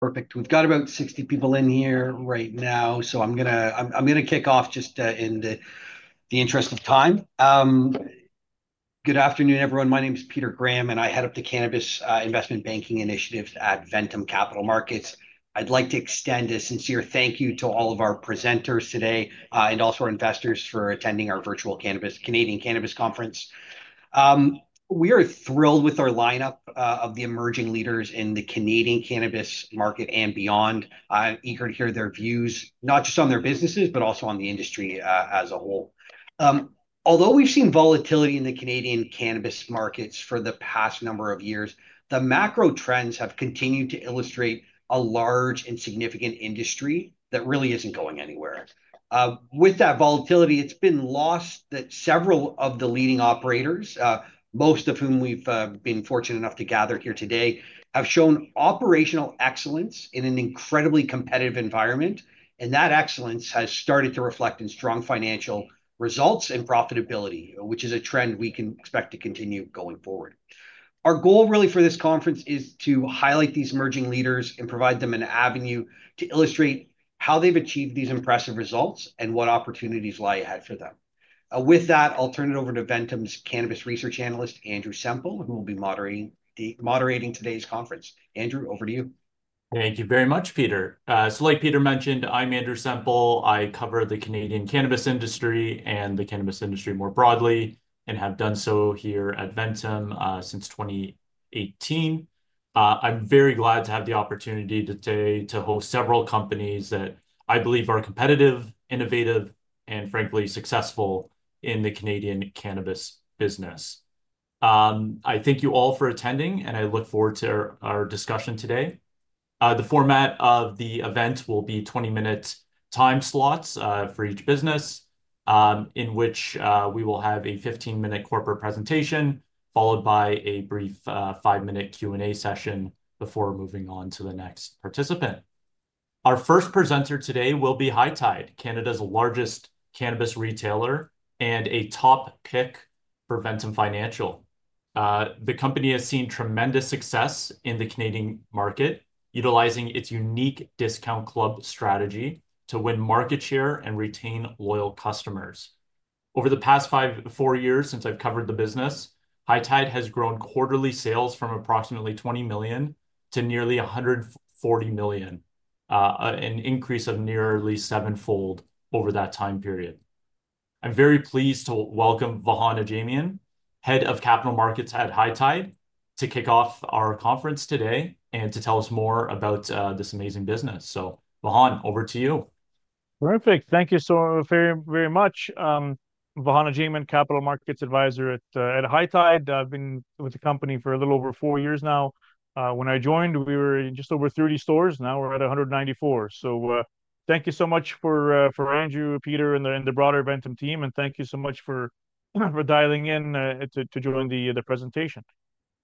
Perfect. We've got about 60 people in here right now, so I'm going to kick off just in the interest of time. Good afternoon, everyone. My name is Peter Graham, and I head up the Cannabis Investment Banking Initiatives at Ventum Capital Markets. I'd like to extend a sincere thank you to all of our presenters today and also our investors for attending our virtual Canadian Cannabis Conference. We are thrilled with our lineup of the emerging leaders in the Canadian cannabis market and beyond. I'm eager to hear their views, not just on their businesses, but also on the industry as a whole. Although we've seen volatility in the Canadian cannabis markets for the past number of years, the macro trends have continued to illustrate a large and significant industry that really isn't going anywhere. With that volatility, it's been lost that several of the leading operators, most of whom we've been fortunate enough to gather here today, have shown operational excellence in an incredibly competitive environment, and that excellence has started to reflect in strong financial results and profitability, which is a trend we can expect to continue going forward. Our goal really for this conference is to highlight these emerging leaders and provide them an avenue to illustrate how they've achieved these impressive results and what opportunities lie ahead for them. With that, I'll turn it over to Ventum's Cannabis Research Analyst, Andrew Semple, who will be moderating today's conference. Andrew, over to you. Thank you very much, Peter. Like Peter mentioned, I'm Andrew Semple. I cover the Canadian cannabis industry and the cannabis industry more broadly and have done so here at Ventum since 2018. I'm very glad to have the opportunity today to host several companies that I believe are competitive, innovative, and frankly, successful in the Canadian cannabis business. I thank you all for attending, and I look forward to our discussion today. The format of the event will be 20-minute time slots for each business, in which we will have a 15-minute corporate presentation followed by a brief five-minute Q&A session before moving on to the next participant. Our first presenter today will be High Tide, Canada's largest cannabis producer and a top pick for Ventum Financial. The company has seen tremendous success in the Canadian market, utilizing its unique discount club strategy to win market share and retain loyal customers. Over the past four years, since I've covered the business, High Tide has grown quarterly sales from approximately 20 million to nearly 140 million, an increase of nearly seven-fold over that time period. I'm very pleased to welcome Vahan Ajamian, Head of Capital Markets at High Tide, to kick off our conference today and to tell us more about this amazing business. Vahan, over to you. Perfect. Thank you so very much. Vahan Ajamian, Capital Markets Advisor at High Tide. I've been with the company for a little over four years now. When I joined, we were just over 30 stores. Now we're at 194. Thank you so much for Andrew, Peter, and the broader Ventum team. Thank you so much for dialing in to join the presentation.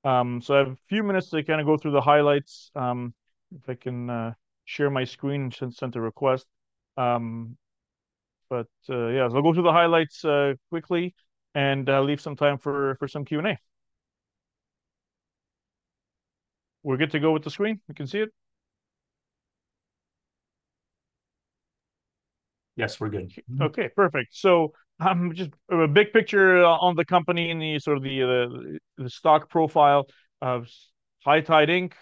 I have a few minutes to kind of go through the highlights. If I can share my screen and send a request. Yeah, I'll go through the highlights quickly and leave some time for some Q&A. We're good to go with the screen. We can see it. Yes, we're good. Okay, perfect. A big picture on the company and sort of the stock profile of High Tide Inc.,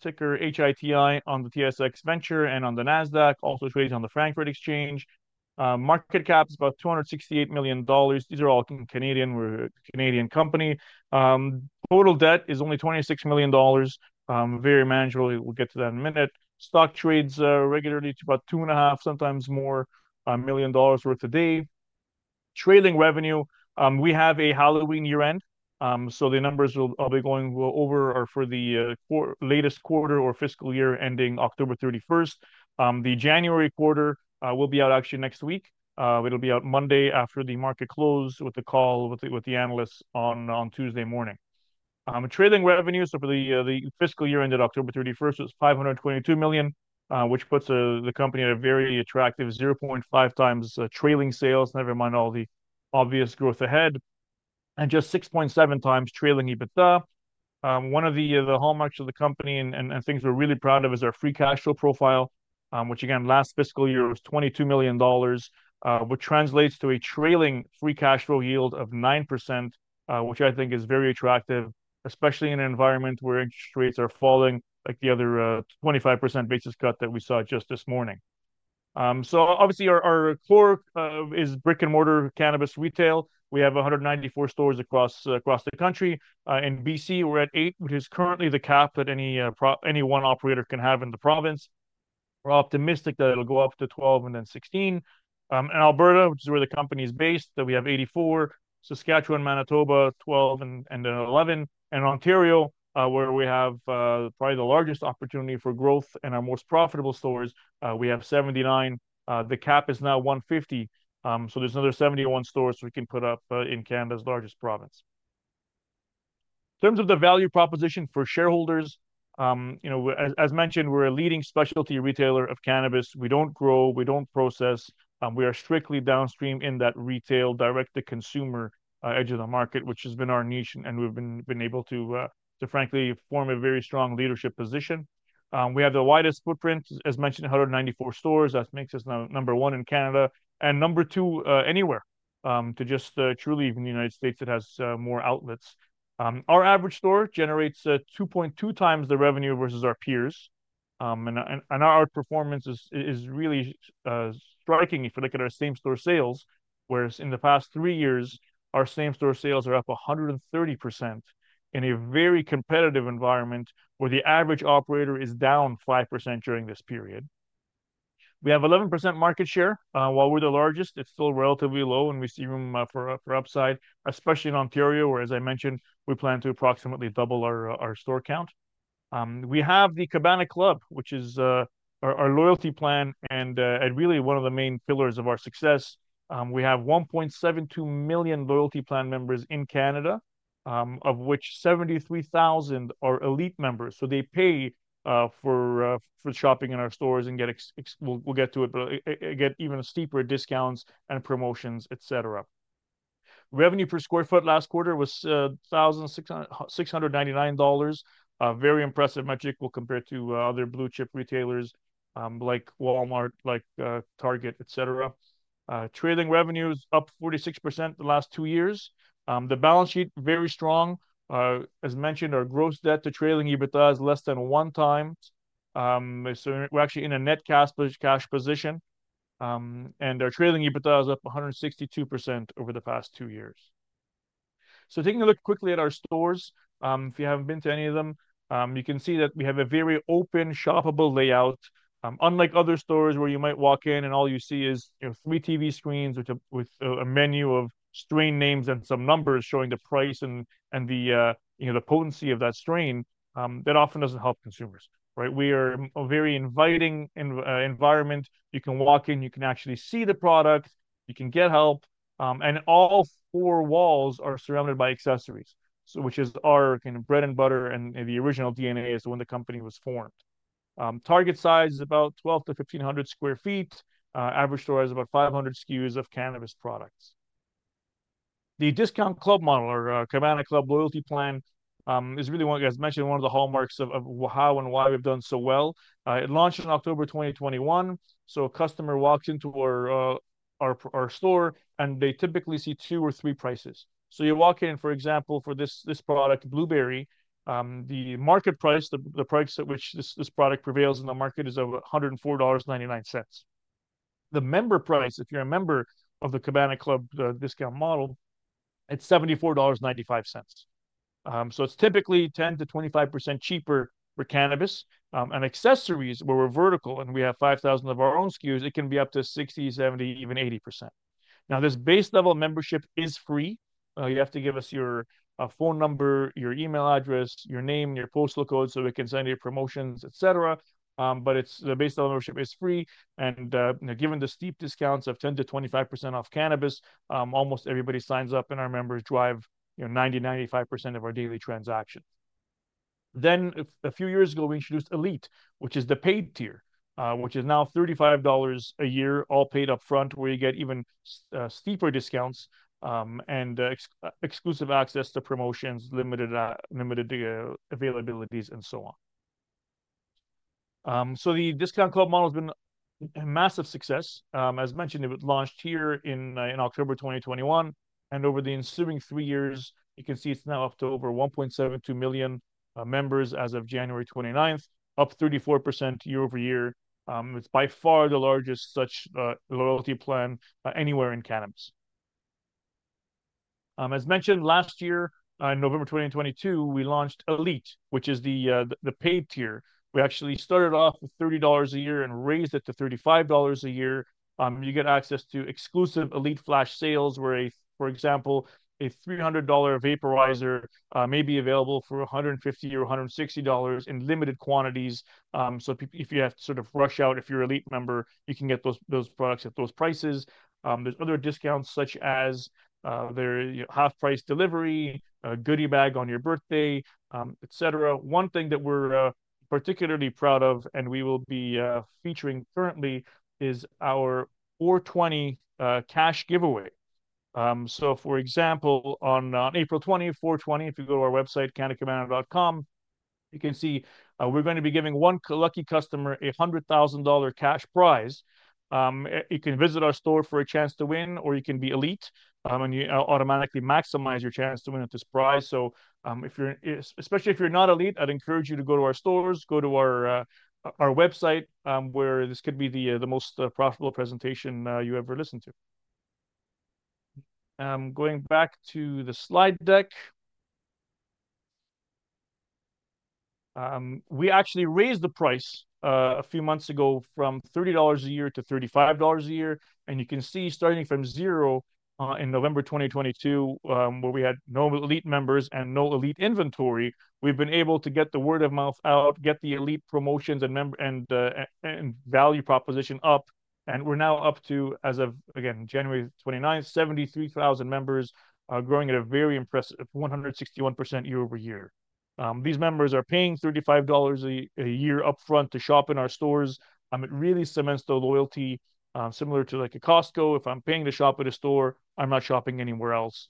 ticker HITI on the TSX Venture and on the NASDAQ, also trading on the Frankfurt Exchange. Market cap is about 268 million dollars. These are all Canadian. We're a Canadian company. Total debt is only 26 million dollars. Very manageable. We'll get to that in a minute. Stock trades regularly to about two and a half, sometimes more, million dollars worth a day. Trading revenue, we have a Halloween year-end, so the numbers will be going over for the latest quarter or fiscal year ending October 31st. The January quarter will be out actually next week. It'll be out Monday after the market closed with the call with the analysts on Tuesday morning. Trading revenue, so for the fiscal year ended October 31st, it was 522 million, which puts the company at a very attractive 0.5x trailing sales, never mind all the obvious growth ahead, and just 6.7x trailing EBITDA. One of the hallmarks of the company and things we're really proud of is our free cash flow profile, which again, last fiscal year was 22 million dollars, which translates to a trailing free cash flow yield of 9%, which I think is very attractive, especially in an environment where interest rates are falling like the other 25 basis cut that we saw just this morning. Obviously, our core is brick and mortar cannabis retail. We have 194 stores across the country. In B.C., we're at eight, which is currently the cap that any one operator can have in the province. We're optimistic that it'll go up to 12 and then 16. In Alberta, which is where the company is based, we have 84. Saskatchewan and Manitoba, 12 and 11. In Ontario, where we have probably the largest opportunity for growth and our most profitable stores, we have 79. The cap is now 150. There's another 71 stores we can put up in Canada's largest province. In terms of the value proposition for shareholders, as mentioned, we're a leading specialty retailer of cannabis. We don't grow, we don't process. We are strictly downstream in that retail direct-to-consumer edge of the market, which has been our niche, and we've been able to, frankly, form a very strong leadership position. We have the widest footprint, as mentioned, 194 stores. That makes us number one in Canada and number two anywhere. To just truly, even in the United States, it has more outlets. Our average store generates 2.2x the revenue versus our peers. Our performance is really striking if you look at our same-store sales, whereas in the past three years, our same-store sales are up 130% in a very competitive environment where the average operator is down 5% during this period. We have 11% market share. While we are the largest, it is still relatively low, and we see room for upside, especially in Ontario, where, as I mentioned, we plan to approximately double our store count. We have the Cabana Club, which is our loyalty plan and really one of the main pillars of our success. We have 1.72 million loyalty plan members in Canada, of which 73,000 are elite members. They pay for shopping in our stores and get—we will get to it—but get even steeper discounts and promotions, etc. Revenue per square foot last quarter was 1,699 dollars. Very impressive metric when compared to other blue-chip retailers like Walmart, like Target, etc. Trading revenues up 46% the last two years. The balance sheet is very strong. As mentioned, our gross debt to trailing EBITDA is less than one time. We are actually in a net cash position. Our trailing EBITDA is up 162% over the past two years. Taking a look quickly at our stores, if you have not been to any of them, you can see that we have a very open shoppable layout. Unlike other stores where you might walk in and all you see is three TV screens with a menu of strain names and some numbers showing the price and the potency of that strain, that often does not help consumers. We are a very inviting environment. You can walk in, you can actually see the product, you can get help. All four walls are surrounded by accessories, which is our kind of bread and butter and the original DNA is when the company was formed. Target size is about 1,200-1,500 sq ft. Average store has about 500 SKUs of cannabis products. The discount club model or Cabana Club loyalty plan is really, as mentioned, one of the hallmarks of how and why we've done so well. It launched in October 2021. A customer walks into our store, and they typically see two or three prices. You walk in, for example, for this product, Blueberry, the market price, the price at which this product prevails in the market is 104.99 dollars. The member price, if you're a member of the Cabana Club discount model, it's 74.95 dollars. It's typically 10%-25% cheaper for cannabis. And accessories, where we're vertical and we have 5,000 of our own SKUs, it can be up to 60%-70%-80%. Now, this base level membership is free. You have to give us your phone number, your email address, your name, your postal code so we can send you promotions, etc. The base level membership is free. Given the steep discounts of 10%-25% off cannabis, almost everybody signs up, and our members drive 90%-95% of our daily transactions. A few years ago, we introduced ELITE, which is the paid tier, which is now 35 dollars a year, all paid upfront, where you get even steeper discounts and exclusive access to promotions, limited availabilities, and so on. The discount club model has been a massive success. As mentioned, it was launched here in October 2021. Over the ensuing three years, you can see it's now up to over 1.72 million members as of January 29th, up 34% year-over-year. It's by far the largest such loyalty plan anywhere in cannabis. As mentioned, last year, in November 2022, we launched ELITE, which is the paid tier. We actually started off with 30 dollars a year and raised it to 35 dollars a year. You get access to exclusive ELITE Flash Sales, where, for example, a 300 dollar vaporizer may be available for 150 or 160 dollars in limited quantities. If you have to sort of rush out, if you're an ELITE member, you can get those products at those prices. There's other discounts such as half-price delivery, a goodie bag on your birthday, etc. One thing that we're particularly proud of and we will be featuring currently is our 4/20 cash giveaway. For example, on April 20th, 4/20, if you go to our website, cannacabana.com, you can see we're going to be giving one lucky customer a 100,000 dollar cash prize. You can visit our store for a chance to win, or you can be ELITE, and you automatically maximize your chance to win at this prize. Especially if you're not ELITE, I'd encourage you to go to our stores, go to our website, where this could be the most profitable presentation you ever listened to. Going back to the slide deck, we actually raised the price a few months ago from 30 dollars a year to 35 dollars a year. You can see starting from zero in November 2022, where we had no ELITE members and no ELITE inventory, we've been able to get the word of mouth out, get the ELITE promotions and value proposition up. We're now up to, as of, again, January 29th, 73,000 members, growing at a very impressive 161% year-over-year. These members are paying 35 dollars a year upfront to shop in our stores. It really cements the loyalty, similar to like a Costco. If I'm paying to shop at a store, I'm not shopping anywhere else.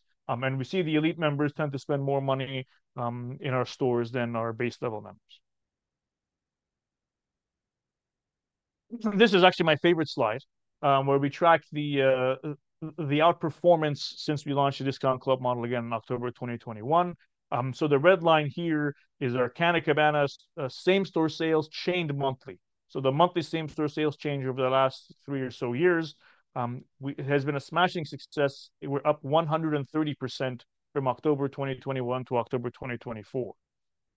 We see the ELITE members tend to spend more money in our stores than our base level members. This is actually my favorite slide, where we track the outperformance since we launched the discount club model again in October 2021. The red line here is our Canna Cabana same-store sales chained monthly. The monthly same-store sales change over the last three or so years has been a smashing success. We're up 130% from October 2021 to October 2024.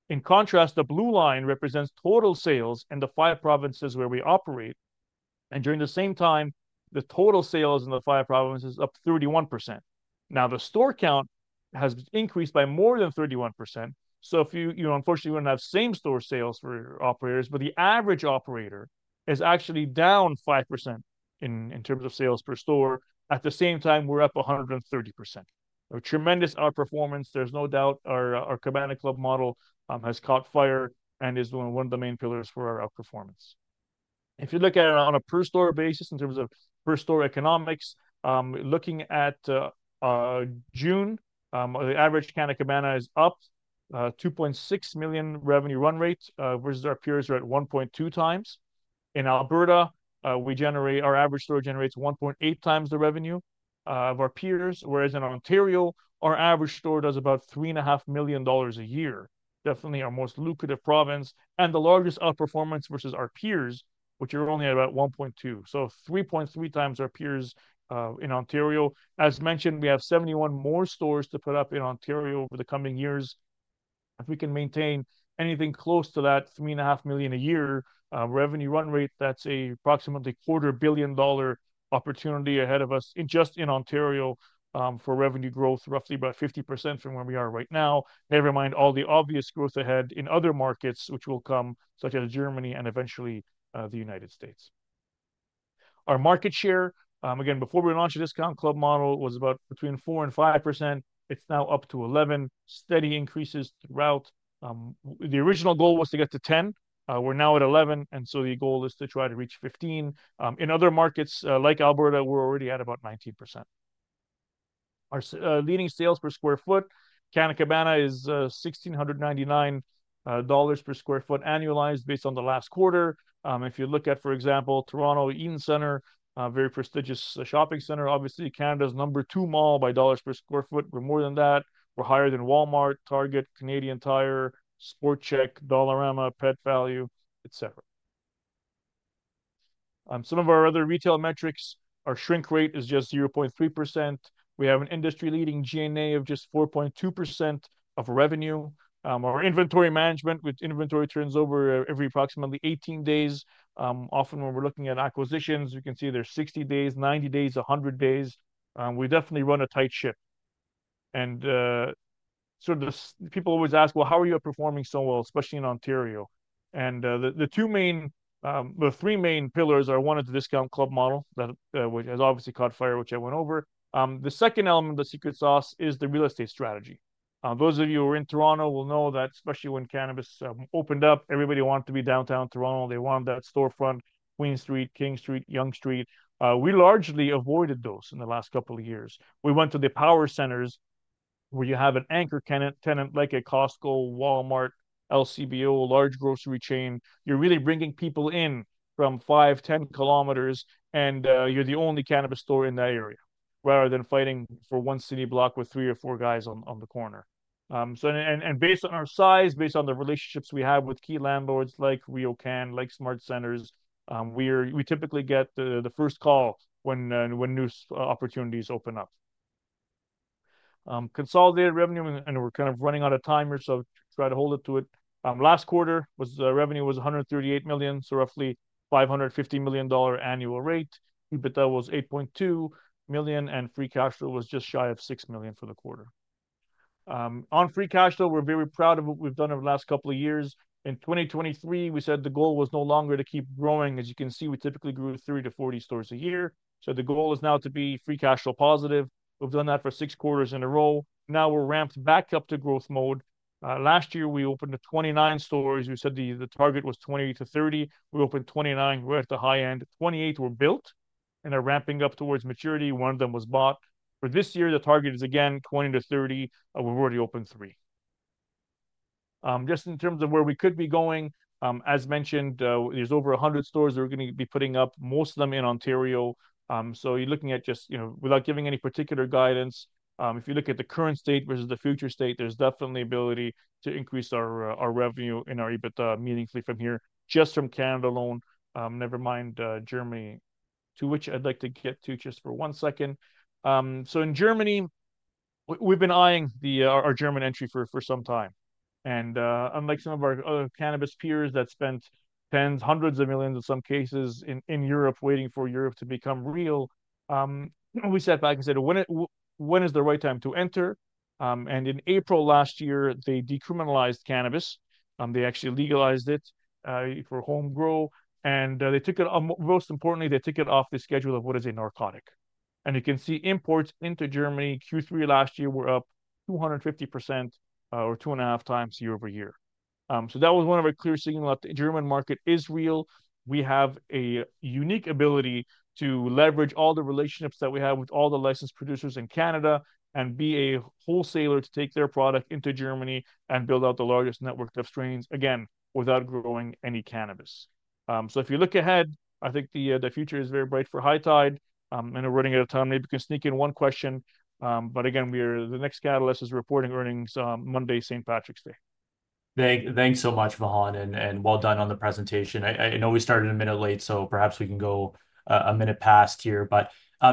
In contrast, the blue line represents total sales in the five provinces where we operate. During the same time, the total sales in the five provinces are up 31%. Now, the store count has increased by more than 31%. Unfortunately, we do not have same-store sales for operators, but the average operator is actually down 5% in terms of sales per store. At the same time, we are up 130%. Tremendous outperformance. There is no doubt our Cabana Club model has caught fire and is one of the main pillars for our outperformance. If you look at it on a per-store basis, in terms of per-store economics, looking at June, the average Canna Cabana is up 2.6 million revenue run rate, whereas our peers are at 1.2x. In Alberta, our average store generates 1.8x the revenue of our peers, whereas in Ontario, our average store does about 3.5 million dollars a year. Definitely our most lucrative province and the largest outperformance versus our peers, which are only at about 1.2 million. 3.3x our peers in Ontario. As mentioned, we have 71 more stores to put up in Ontario over the coming years. If we can maintain anything close to that 3.5 million a year revenue run rate, that is an approximately quarter billion dollar opportunity ahead of us just in Ontario for revenue growth, roughly about 50% from where we are right now. Never mind all the obvious growth ahead in other markets, which will come, such as Germany and eventually the United States. Our market share, again, before we launched the discount club model, was about between 4% and 5%. It's now up to 11%, steady increases throughout. The original goal was to get to 10%. We're now at 11%, and so the goal is to try to reach 15%. In other markets like Alberta, we're already at about 19%. Our leading sales per square foot, Canna Cabana is 1,699 dollars per square foot annualized based on the last quarter. If you look at, for example, Toronto Eaton Centre, a very prestigious shopping center, obviously Canada's number two mall by dollars per square foot. We're more than that. We're higher than Walmart, Target, Canadian Tire, Sport Check, Dollarama, Pet Value, etc. Some of our other retail metrics, our shrink rate is just 0.3%. We have an industry-leading G&A of just 4.2% of revenue. Our inventory management, with inventory turns over every approximately 18 days. Often, when we're looking at acquisitions, you can see there's 60 days, 90 days, 100 days. We definitely run a tight ship. People always ask, well, how are you performing so well, especially in Ontario? The three main pillars are, one, the discount club model that has obviously caught fire, which I went over. The second element, the secret sauce, is the real estate strategy. Those of you who are in Toronto will know that, especially when cannabis opened up, everybody wanted to be downtown Toronto. They wanted that storefront, Queen Street, King Street, Yonge Street. We largely avoided those in the last couple of years. We went to the power centers where you have an anchor tenant like a Costco, Walmart, LCBO, a large grocery chain. You're really bringing people in from 5 km, 10 km, and you're the only cannabis store in that area rather than fighting for one city block with three or four guys on the corner. Based on our size, based on the relationships we have with key landlords like RioCan, like SmartCentres, we typically get the first call when new opportunities open up. Consolidated revenue, and we're kind of running out of time, so try to hold it to it. Last quarter, revenue was 138 million, so roughly 550 million dollar annual rate. EBITDA was 8.2 million, and free cash flow was just shy of 6 million for the quarter. On free cash flow, we're very proud of what we've done over the last couple of years. In 2023, we said the goal was no longer to keep growing. As you can see, we typically grew 30-40 stores a year. The goal is now to be free cash flow positive. We've done that for six quarters in a row. Now we're ramped back up to growth mode. Last year, we opened 29 stores. We said the target was 28-30. We opened 29. We're at the high end. 28 were built, and they're ramping up towards maturity. One of them was bought. For this year, the target is again 20-30. We've already opened three. Just in terms of where we could be going, as mentioned, there's over 100 stores that we're going to be putting up, most of them in Ontario. You're looking at just, without giving any particular guidance, if you look at the current state versus the future state, there's definitely the ability to increase our revenue and our EBITDA meaningfully from here, just from Canada alone. Never mind Germany, to which I'd like to get to just for one second. In Germany, we've been eyeing our German entry for some time. Unlike some of our other cannabis peers that spent tens, hundreds of millions in some cases in Europe waiting for Europe to become real, we sat back and said, when is the right time to enter? In April last year, they decriminalized cannabis. They actually legalized it for homegrown. Most importantly, they took it off the schedule of what is a narcotic. You can see imports into Germany in Q3 last year were up 250% or 2.5x year-over-year. That was one of our clear signals that the German market is real. We have a unique ability to leverage all the relationships that we have with all the licensed producers in Canada and be a wholesaler to take their product into Germany and build out the largest network of strains, again, without growing any cannabis. If you look ahead, I think the future is very bright for High Tide. We are running out of time. Maybe we can sneak in one question. The next catalyst is reporting earnings Monday, St. Patrick's Day. Thanks so much, Vahan, and well done on the presentation. I know we started a minute late, so perhaps we can go a minute past here.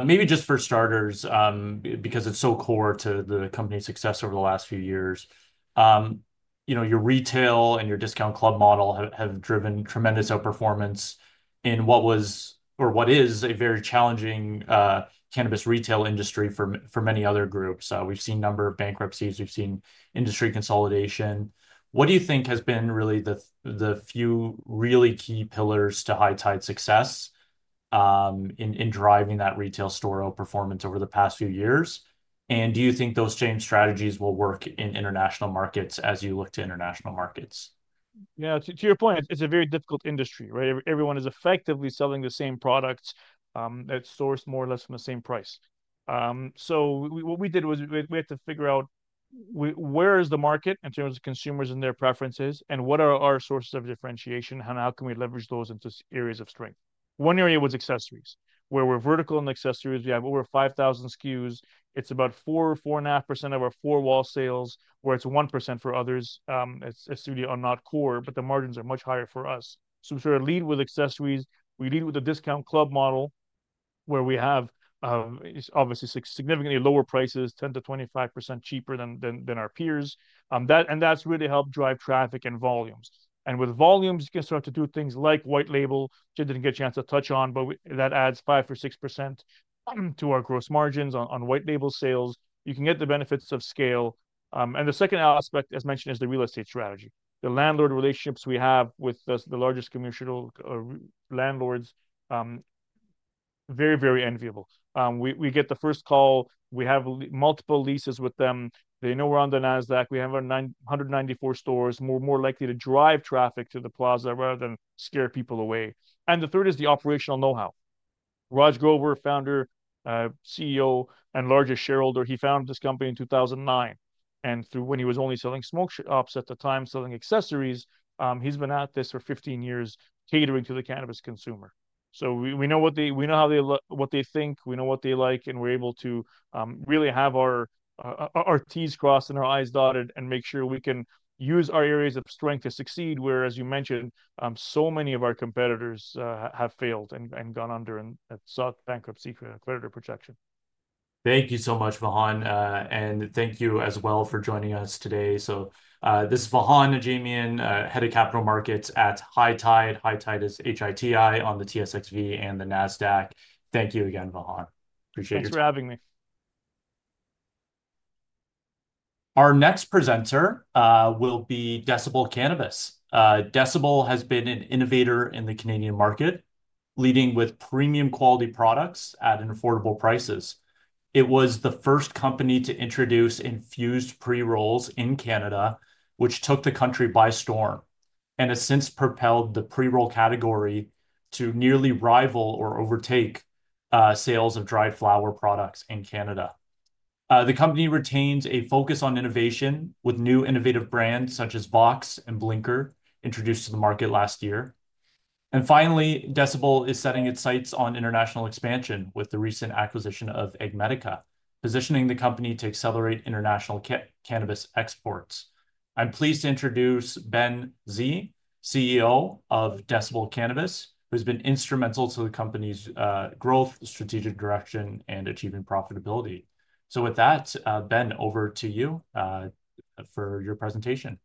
Maybe just for starters, because it's so core to the company's success over the last few years, your retail and your discount club model have driven tremendous outperformance in what was or what is a very challenging cannabis retail industry for many other groups. We've seen a number of bankruptcies. We've seen industry consolidation. What do you think has been really the few really key pillars to High Tide's success in driving that retail store outperformance over the past few years? Do you think those same strategies will work in international markets as you look to international markets? Yeah, to your point, it's a very difficult industry, right? Everyone is effectively selling the same products at stores more or less from the same price. What we did was we had to figure out where is the market in terms of consumers and their preferences and what are our sources of differentiation and how can we leverage those into areas of strength. One area was accessories, where we're vertical in accessories. We have over 5,000 SKUs. It's about 4%-4.5% of our four-wall sales, where it's 1% for others. It's really not core, but the margins are much higher for us. We sort of lead with accessories. We lead with the discount club model, where we have obviously significantly lower prices, 10%-25% cheaper than our peers. That's really helped drive traffic and volumes. With volumes, you can start to do things like white label, which I didn't get a chance to touch on, but that adds 5% or 6% to our gross margins on white label sales. You can get the benefits of scale. The second aspect, as mentioned, is the real estate strategy. The landlord relationships we have with the largest commercial landlords are very, very enviable. We get the first call. We have multiple leases with them. They know we're on the NASDAQ. We have 194 stores. We're more likely to drive traffic to the plaza rather than scare people away. The third is the operational know-how. Raj Grover, founder, CEO, and largest shareholder, he founded this company in 2009. Through when he was only selling smoke shops at the time, selling accessories, he's been at this for 15 years catering to the cannabis consumer. We know what they think. We know what they like, and we're able to really have our T's crossed and our I's dotted and make sure we can use our areas of strength to succeed, where, as you mentioned, so many of our competitors have failed and gone under and sought bankruptcy for creditor protection. Thank you so much, Vahan. Thank you as well for joining us today. This is Vahan Ajamian, Head of Capital Markets at High Tide. High Tide is HITI on the TSXV and the NASDAQ. Thank you again, Mohan. Appreciate your time. Thanks for having me. Our next presenter will be Decibel Cannabis. Decibel has been an innovator in the Canadian market, leading with premium quality products at affordable prices. It was the first company to introduce infused pre-rolls in Canada, which took the country by storm and has since propelled the pre-roll category to nearly rival or overtake sales of dried flower products in Canada. The company retains a focus on innovation with new innovative brands such as Vox and Blinker, introduced to the market last year. Finally, Decibel is setting its sights on international expansion with the recent acquisition of AgMedica, positioning the company to accelerate international cannabis exports. I'm pleased to introduce Ben Sze, CEO of Decibel Cannabis, who has been instrumental to the company's growth, strategic direction, and achieving profitability. With that, Ben, over to you for your presentation.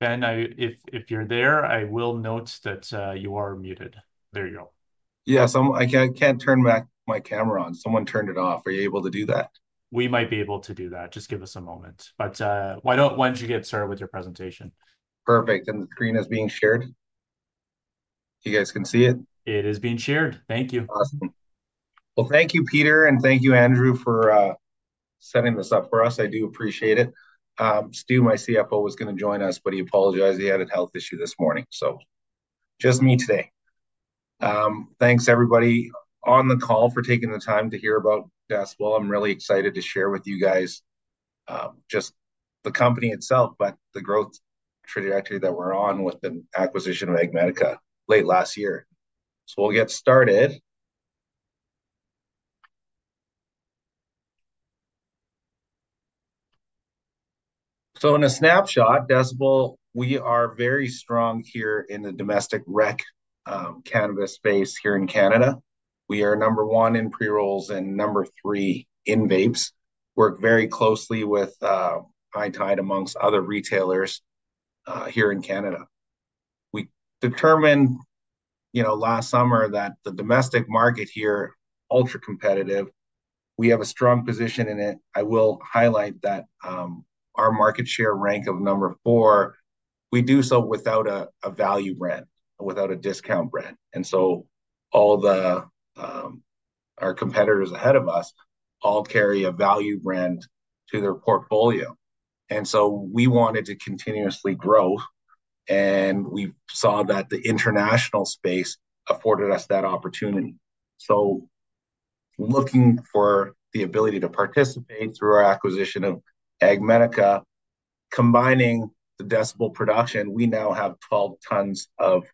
Ben, if you're there, I will note that you are muted. There you go. Yes, I can't turn back my camera on. Someone turned it off. Are you able to do that? We might be able to do that. Just give us a moment. Why don't you get started with your presentation? Perfect. The screen is being shared. You guys can see it? It is being shared. Thank you. Awesome. Thank you, Peter, and thank you, Andrew, for setting this up for us. I do appreciate it. Stu, my CFO, was going to join us, but he apologized. He had a health issue this morning. Just me today. Thanks, everybody on the call for taking the time to hear about Decibel. I'm really excited to share with you guys just the company itself, but the growth trajectory that we're on with the acquisition of AgMedica late last year. We'll get started. In a snapshot, Decibel, we are very strong here in the domestic rec cannabis space here in Canada. We are number one in pre-rolls and number three in vapes. Work very closely with High Tide amongst other retailers here in Canada. We determined last summer that the domestic market here is ultra-competitive. We have a strong position in it. I will highlight that our market share rank of number four, we do so without a value brand, without a discount brand. All our competitors ahead of us all carry a value brand to their portfolio. We wanted to continuously grow, and we saw that the international space afforded us that opportunity. Looking for the ability to participate through our acquisition of AgMedica, combining the Decibel production, we now have 12 tons of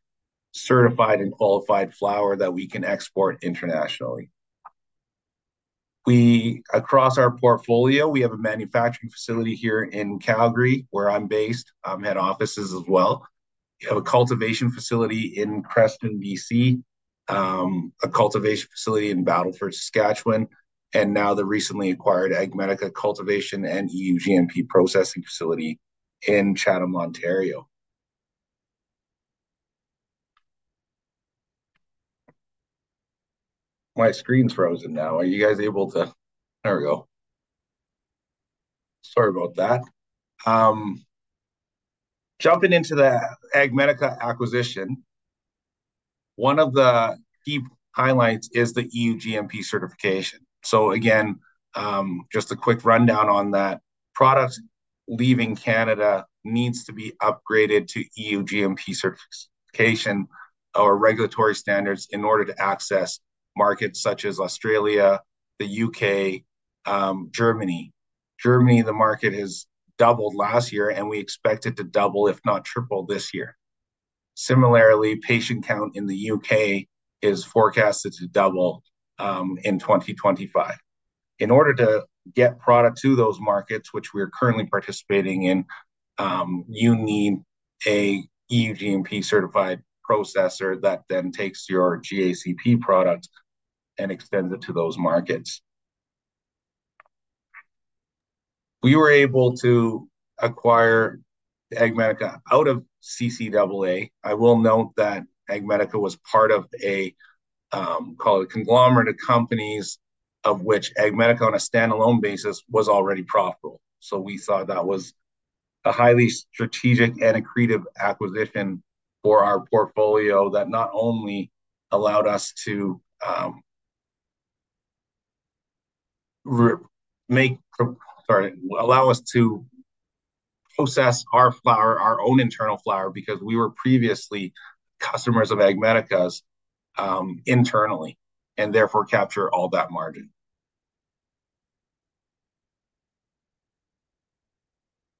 certified and qualified flower that we can export internationally. Across our portfolio, we have a manufacturing facility here in Calgary, where I'm based. I'm head offices as well. We have a cultivation facility in Creston, B.C., a cultivation facility in Battleford, Saskatchewan, and now the recently acquired AgMedica cultivation and EUGMP processing facility in Chatham, Ontario. My screen's frozen now. Are you guys able to—there we go. Sorry about that. Jumping into the AgMedica acquisition, one of the key highlights is the EUGMP certification. Again, just a quick rundown on that. Products leaving Canada need to be upgraded to EUGMP certification or regulatory standards in order to access markets such as Australia, the U.K., Germany. Germany, the market has doubled last year, and we expect it to double, if not triple, this year. Similarly, patient count in the U.K. is forecasted to double in 2025. In order to get product to those markets, which we're currently participating in, you need an EUGMP certified processor that then takes your GACP product and extends it to those markets. We were able to acquire AgMedica out of CCAA. I will note that AgMedica was part of a conglomerate of companies of which AgMedica, on a standalone basis, was already profitable. We thought that was a highly strategic and accretive acquisition for our portfolio that not only allowed us to—sorry—allow us to process our flower, our own internal flower, because we were previously customers of AgMedica's internally and therefore capture all that margin.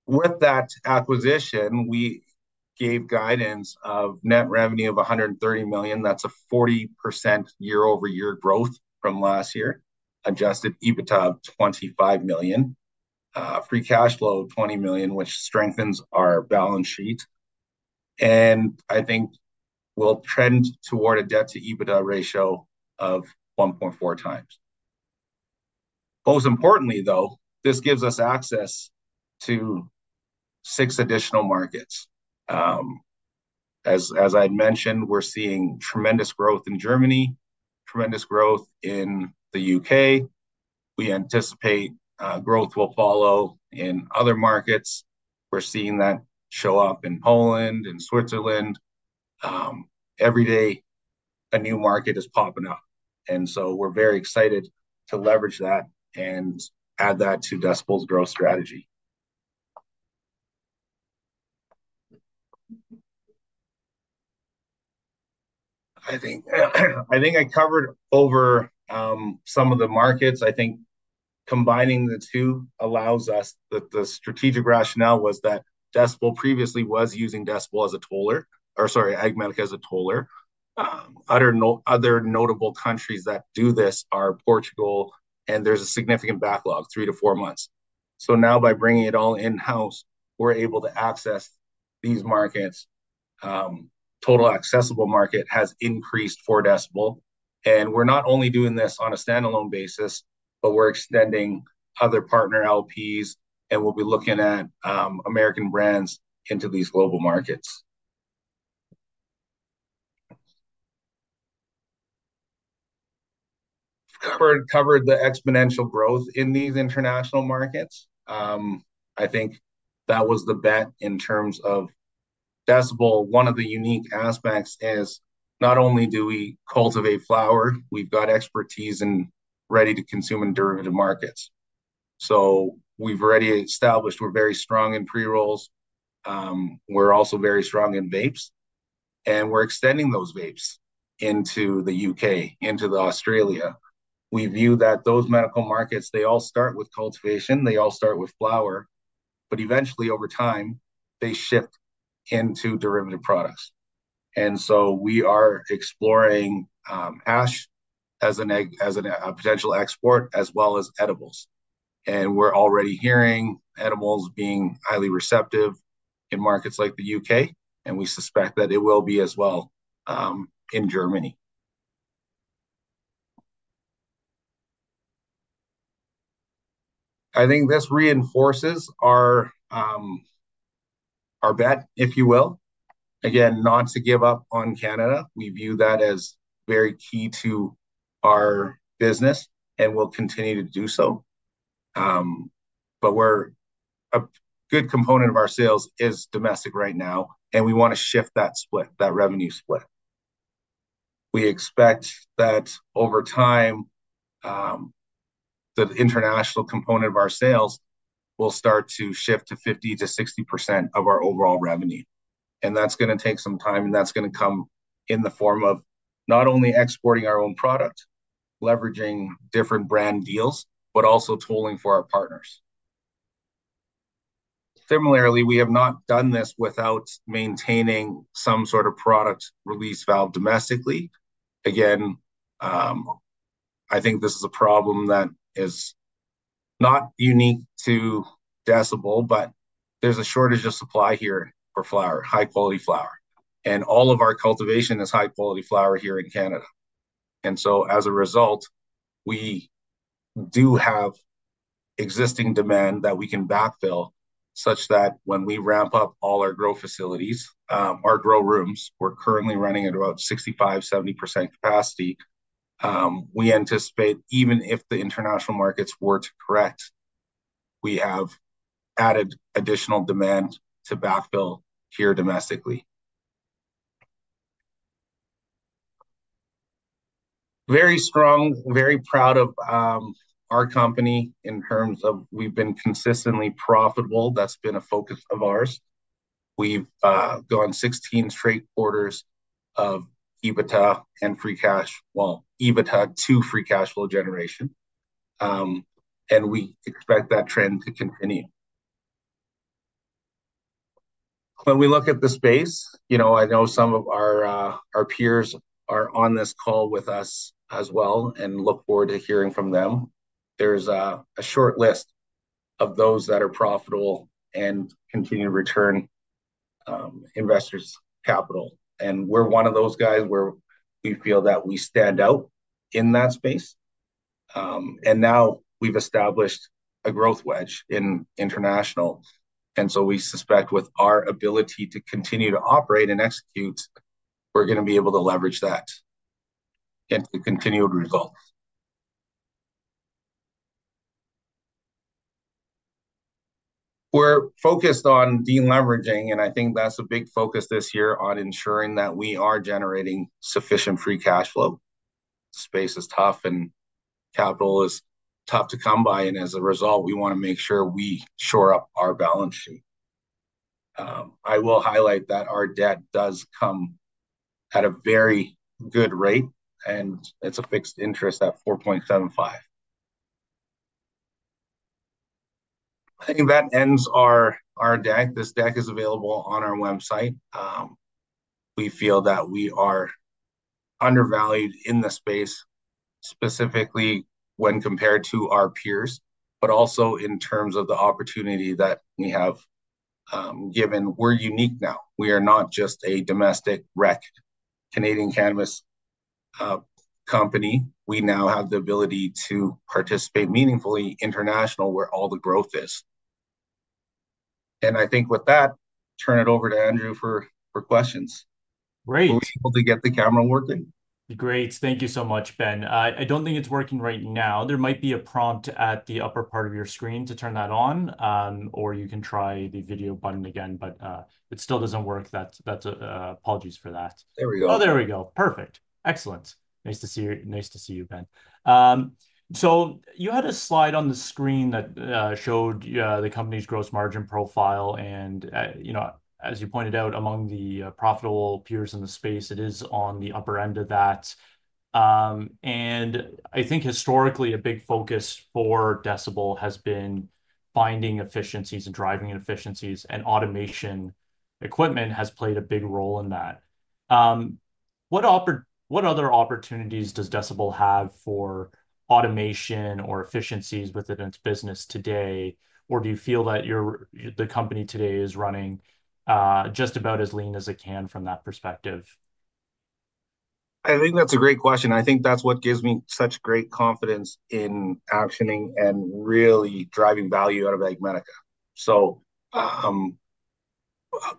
With that acquisition, we gave guidance of net revenue of 130 million. That's a 40% year-over-year growth from last year, adjusted EBITDA of 25 million, free cash flow of 20 million, which strengthens our balance sheet. I think we'll trend toward a debt-to-EBITDA ratio of 1.4x. Most importantly, though, this gives us access to six additional markets. As I had mentioned, we're seeing tremendous growth in Germany, tremendous growth in the U.K. We anticipate growth will follow in other markets. We're seeing that show up in Poland and Switzerland. Every day, a new market is popping up. We are very excited to leverage that and add that to Decibel's growth strategy. I think I covered over some of the markets. I think combining the two allows us that the strategic rationale was that Decibel previously was using Decibel as a toll or, sorry, AgMedica as a toll. Other notable countries that do this are Portugal, and there's a significant backlog, three to four months. Now, by bringing it all in-house, we're able to access these markets. Total accessible market has increased for Decibel. We are not only doing this on a standalone basis, but we are extending other partner LPs, and we will be looking at American brands into these global markets. Covered the exponential growth in these international markets. I think that was the bet in terms of Decibel. One of the unique aspects is not only do we cultivate flower, we have got expertise in ready-to-consume and derivative markets. We have already established we are very strong in pre-rolls. We are also very strong in vapes. We are extending those vapes into the U.K., into Australia. We view that those medical markets, they all start with cultivation. They all start with flower. Eventually, over time, they shift into derivative products. We are exploring hash as a potential export as well as edibles. We are already hearing edibles being highly receptive in markets like the U.K., and we suspect that it will be as well in Germany. I think this reinforces our bet, if you will. Again, not to give up on Canada. We view that as very key to our business and will continue to do so. A good component of our sales is domestic right now, and we want to shift that split, that revenue split. We expect that over time, the international component of our sales will start to shift to 50%-60% of our overall revenue. That is going to take some time, and that is going to come in the form of not only exporting our own product, leveraging different brand deals, but also tolling for our partners. Similarly, we have not done this without maintaining some sort of product release valve domestically. Again, I think this is a problem that is not unique to Decibel, but there's a shortage of supply here for flower, high-quality flower. All of our cultivation is high-quality flower here in Canada. As a result, we do have existing demand that we can backfill such that when we ramp up all our grow facilities, our grow rooms, we're currently running at about 65%-70% capacity. We anticipate even if the international markets were to correct, we have added additional demand to backfill here domestically. Very strong, very proud of our company in terms of we've been consistently profitable. That's been a focus of ours. We've gone 16 straight quarters of EBITDA and free cash, EBITDA to free cash flow generation. We expect that trend to continue. When we look at the space, I know some of our peers are on this call with us as well and look forward to hearing from them. There is a short list of those that are profitable and continue to return investors' capital. We are one of those guys where we feel that we stand out in that space. Now we have established a growth wedge in international. We suspect with our ability to continue to operate and execute, we are going to be able to leverage that into continued results. We are focused on de-leveraging, and I think that is a big focus this year on ensuring that we are generating sufficient free cash flow. Space is tough, and capital is tough to come by. As a result, we want to make sure we shore up our balance sheet. I will highlight that our debt does come at a very good rate, and it is a fixed interest at 4.75%. I think that ends our deck. This deck is available on our website. We feel that we are undervalued in the space, specifically when compared to our peers, but also in terms of the opportunity that we have given. We are unique now. We are not just a domestic rec, Canadian cannabis company. We now have the ability to participate meaningfully internationally where all the growth is. I think with that, turn it over to Andrew for questions. Great. Hopefully get the camera working. Great. Thank you so much, Ben. I do not think it is working right now. There might be a prompt at the upper part of your screen to turn that on, or you can try the video button again, but if it still does not work, that's apologies for that. There we go. Oh, there we go. Perfect. Excellent. Nice to see you, Ben. You had a slide on the screen that showed the company's gross margin profile. As you pointed out, among the profitable peers in the space, it is on the upper end of that. I think historically, a big focus for Decibel has been finding efficiencies and driving efficiencies, and automation equipment has played a big role in that. What other opportunities does Decibel have for automation or efficiencies within its business today? Do you feel that the company today is running just about as lean as it can from that perspective? I think that's a great question. I think that's what gives me such great confidence in actioning and really driving value out of AgMedica.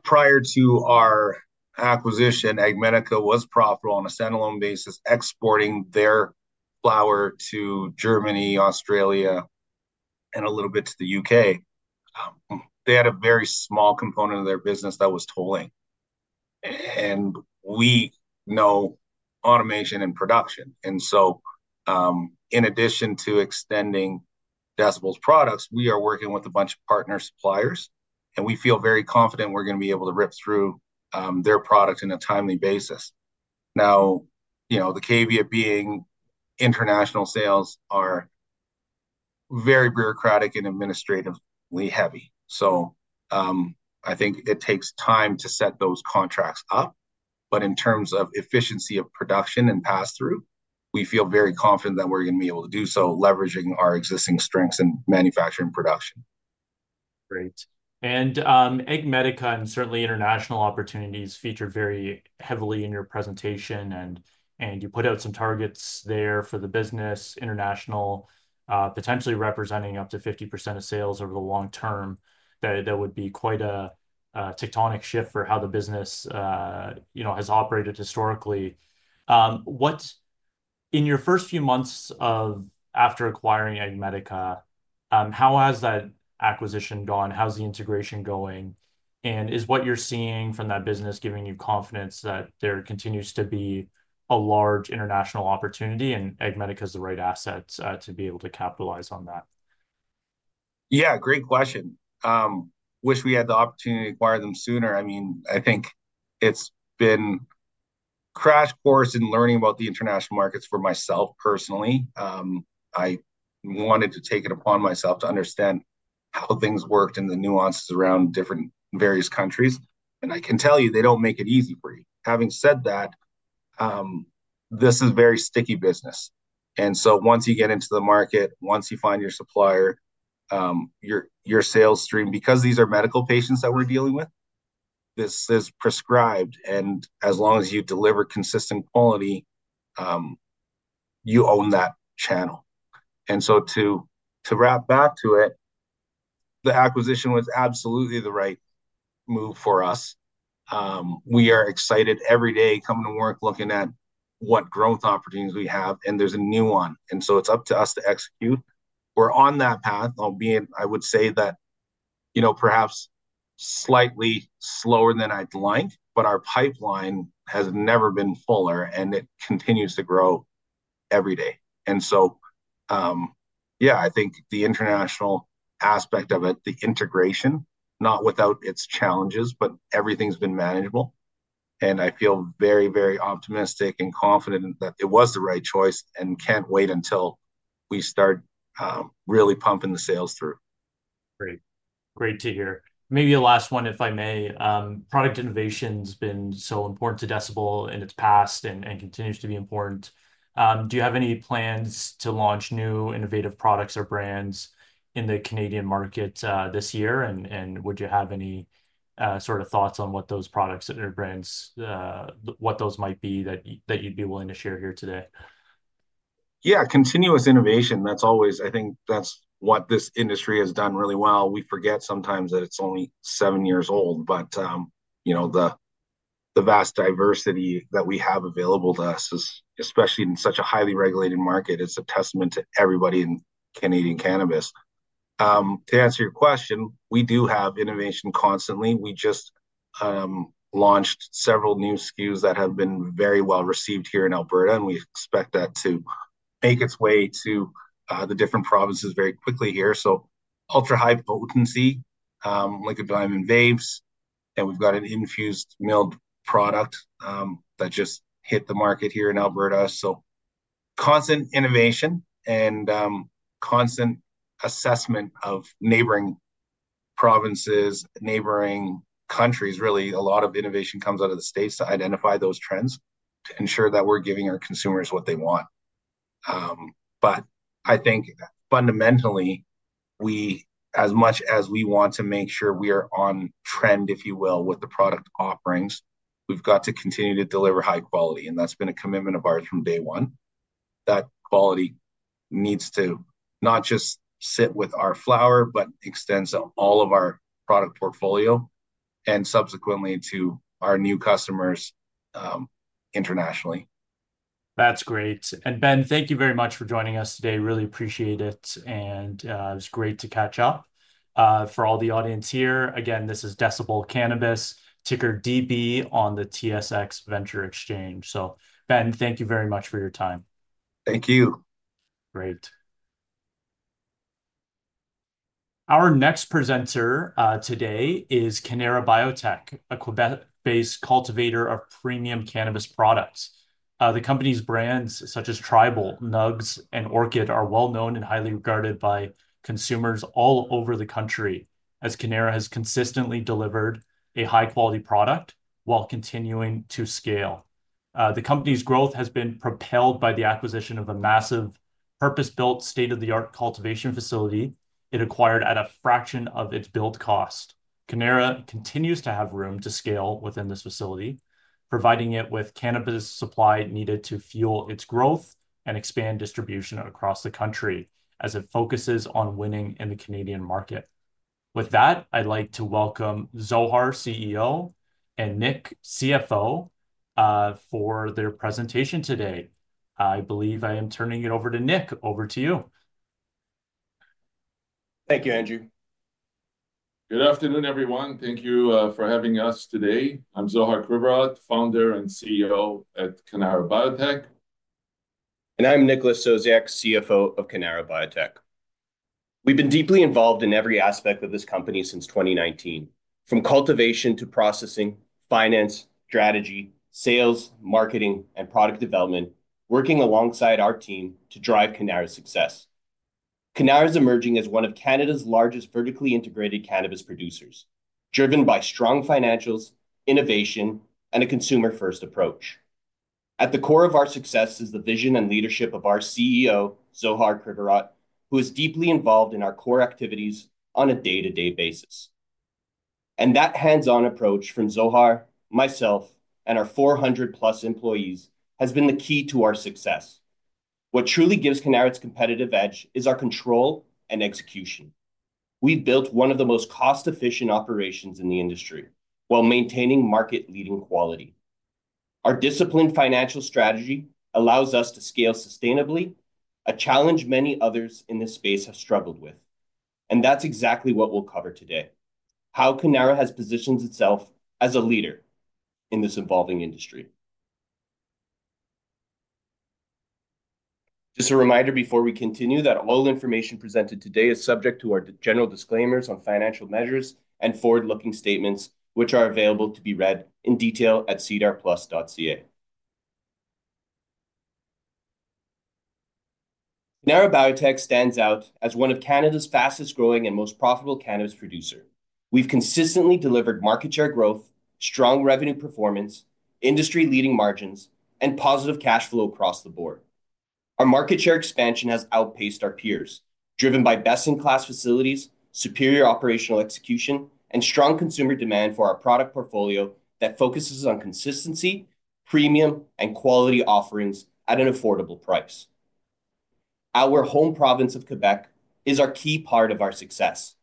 Prior to our acquisition, AgMedica was profitable on a standalone basis, exporting their flower to Germany, Australia, and a little bit to the U.K. They had a very small component of their business that was tolling. We know automation and production. In addition to extending Decibel's products, we are working with a bunch of partner suppliers, and we feel very confident we're going to be able to rip through their product on a timely basis. The caveat being international sales are very bureaucratic and administratively heavy. I think it takes time to set those contracts up. In terms of efficiency of production and pass-through, we feel very confident that we're going to be able to do so, leveraging our existing strengths in manufacturing production. Great. AgMedica and certainly international opportunities featured very heavily in your presentation. You put out some targets there for the business, international potentially representing up to 50% of sales over the long term. That would be quite a tectonic shift for how the business has operated historically. In your first few months after acquiring AgMedica, how has that acquisition gone? How's the integration going? Is what you're seeing from that business giving you confidence that there continues to be a large international opportunity and AgMedica is the right asset to be able to capitalize on that? Yeah, great question. Wish we had the opportunity to acquire them sooner. I mean, I think it's been a crash course in learning about the international markets for myself personally. I wanted to take it upon myself to understand how things worked and the nuances around different various countries. I can tell you they don't make it easy for you. Having said that, this is a very sticky business. Once you get into the market, once you find your supplier, your sales stream, because these are medical patients that we're dealing with, this is prescribed. As long as you deliver consistent quality, you own that channel. To wrap back to it, the acquisition was absolutely the right move for us. We are excited every day coming to work, looking at what growth opportunities we have, and there's a new one. It's up to us to execute. We're on that path. I would say that perhaps slightly slower than I'd like, but our pipeline has never been fuller, and it continues to grow every day. Yeah, I think the international aspect of it, the integration, not without its challenges, but everything's been manageable. I feel very, very optimistic and confident that it was the right choice and can't wait until we start really pumping the sales through. Great. Great to hear. Maybe a last one, if I may. Product innovation has been so important to Decibel in its past and continues to be important. Do you have any plans to launch new innovative products or brands in the Canadian market this year? Would you have any sort of thoughts on what those products or brands, what those might be that you'd be willing to share here today? Yeah, continuous innovation. I think that's what this industry has done really well. We forget sometimes that it's only seven years old, but the vast diversity that we have available to us, especially in such a highly regulated market, is a testament to everybody in Canadian cannabis. To answer your question, we do have innovation constantly. We just launched several new SKUs that have been very well received here in Alberta, and we expect that to make its way to the different provinces very quickly here. Ultra-high potency, liquid diamond vapes, and we've got an infused milled product that just hit the market here in Alberta. Constant innovation and constant assessment of neighboring provinces, neighboring countries, really, a lot of innovation comes out of the states to identify those trends to ensure that we're giving our consumers what they want. I think fundamentally, as much as we want to make sure we are on trend, if you will, with the product offerings, we have got to continue to deliver high quality. That has been a commitment of ours from day one. That quality needs to not just sit with our flower, but extends to all of our product portfolio and subsequently to our new customers internationally. That is great. Ben, thank you very much for joining us today. Really appreciate it. It was great to catch up. For all the audience here, again, this is Decibel Cannabis, ticker DB on the TSX Venture Exchange. Ben, thank you very much for your time. Thank you. Great. Our next presenter today is Cannara Biotech, a Quebec-based cultivator of premium cannabis products. The company's brands, such as Tribal, Nugz, and Orchid, are well-known and highly regarded by consumers all over the country as Cannara has consistently delivered a high-quality product while continuing to scale. The company's growth has been propelled by the acquisition of a massive purpose-built state-of-the-art cultivation facility it acquired at a fraction of its build cost. Cannara continues to have room to scale within this facility, providing it with cannabis supply needed to fuel its growth and expand distribution across the country as it focuses on winning in the Canadian market. With that, I'd like to welcome Zohar, CEO, and Nic, CFO, for their presentation today. I believe I am turning it over to Nic. Over to you. Thank you, Andrew. Good afternoon, everyone. Thank you for having us today. I'm Zohar Krivorot, founder and CEO at Cannara Biotech. And I'm Nicholas Soziak, CFO of Cannara Biotech. We've been deeply involved in every aspect of this company since 2019, from cultivation to processing, finance, strategy, sales, marketing, and product development, working alongside our team to drive Cannara's success. Cannara's is emerging as one of Canada's largest vertically integrated cannabis producers, driven by strong financials, innovation, and a consumer-first approach. At the core of our success is the vision and leadership of our CEO, Zohar Krivorot, who is deeply involved in our core activities on a day-to-day basis. That hands-on approach from Zohar, myself, and our 400-plus employees has been the key to our success. What truly gives Rubicon Organics its competitive edge is our control and execution. We've built one of the most cost-efficient operations in the industry while maintaining market-leading quality. Our disciplined financial strategy allows us to scale sustainably, a challenge many others in this space have struggled with. That is exactly what we will cover today: how Cannara has positioned itself as a leader in this evolving industry. Just a reminder before we continue that all information presented today is subject to our general disclaimers on financial measures and forward-looking statements, which are available to be read in detail at sedarplus.ca. Cannara Biotech stands out as one of Canada's fastest-growing and most profitable cannabis producers. We have consistently delivered market share growth, strong revenue performance, industry-leading margins, and positive cash flow across the board. Our market share expansion has outpaced our peers, driven by best-in-class facilities, superior operational execution, and strong consumer demand for our product portfolio that focuses on consistency, premium, and quality offerings at an affordable price. Our home province of Quebec is a key part of our success.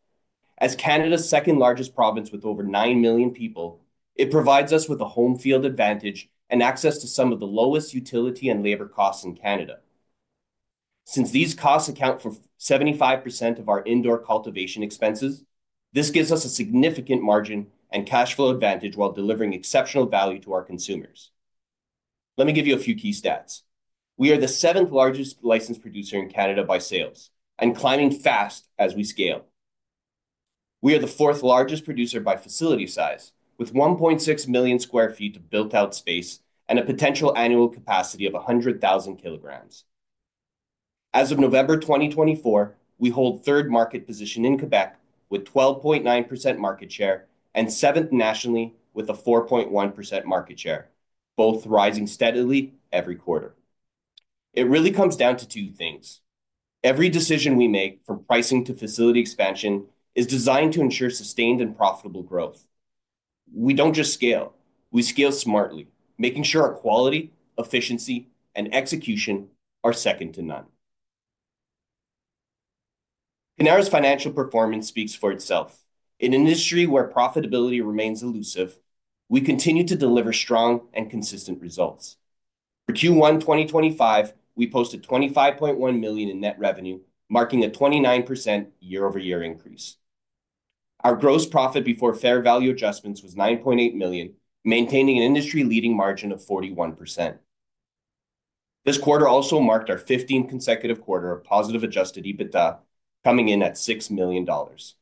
As Canada's second-largest province with over 9 million people, it provides us with a home field advantage and access to some of the lowest utility and labor costs in Canada. Since these costs account for 75% of our indoor cultivation expenses, this gives us a significant margin and cash flow advantage while delivering exceptional value to our consumers. Let me give you a few key stats. We are the seventh-largest licensed producer in Canada by sales, and climbing fast as we scale. We are the fourth-largest producer by facility size, with 1.6 million sq ft of built-out space and a potential annual capacity of 100,000 kg. As of November 2024, we hold third market position in Quebec with 12.9% market share and seventh nationally with a 4.1% market share, both rising steadily every quarter. It really comes down to two things. Every decision we make, from pricing to facility expansion, is designed to ensure sustained and profitable growth. We do not just scale. We scale smartly, making sure our quality, efficiency, and execution are second to none. Cannara's financial performance speaks for itself. In an industry where profitability remains elusive, we continue to deliver strong and consistent results. For Q1 2025, we posted 25.1 million in net revenue, marking a 29% year-over-year increase. Our gross profit before fair value adjustments was 9.8 million, maintaining an industry-leading margin of 41%. This quarter also marked our 15th consecutive quarter of positive adjusted EBITDA, coming in at 6 million dollars.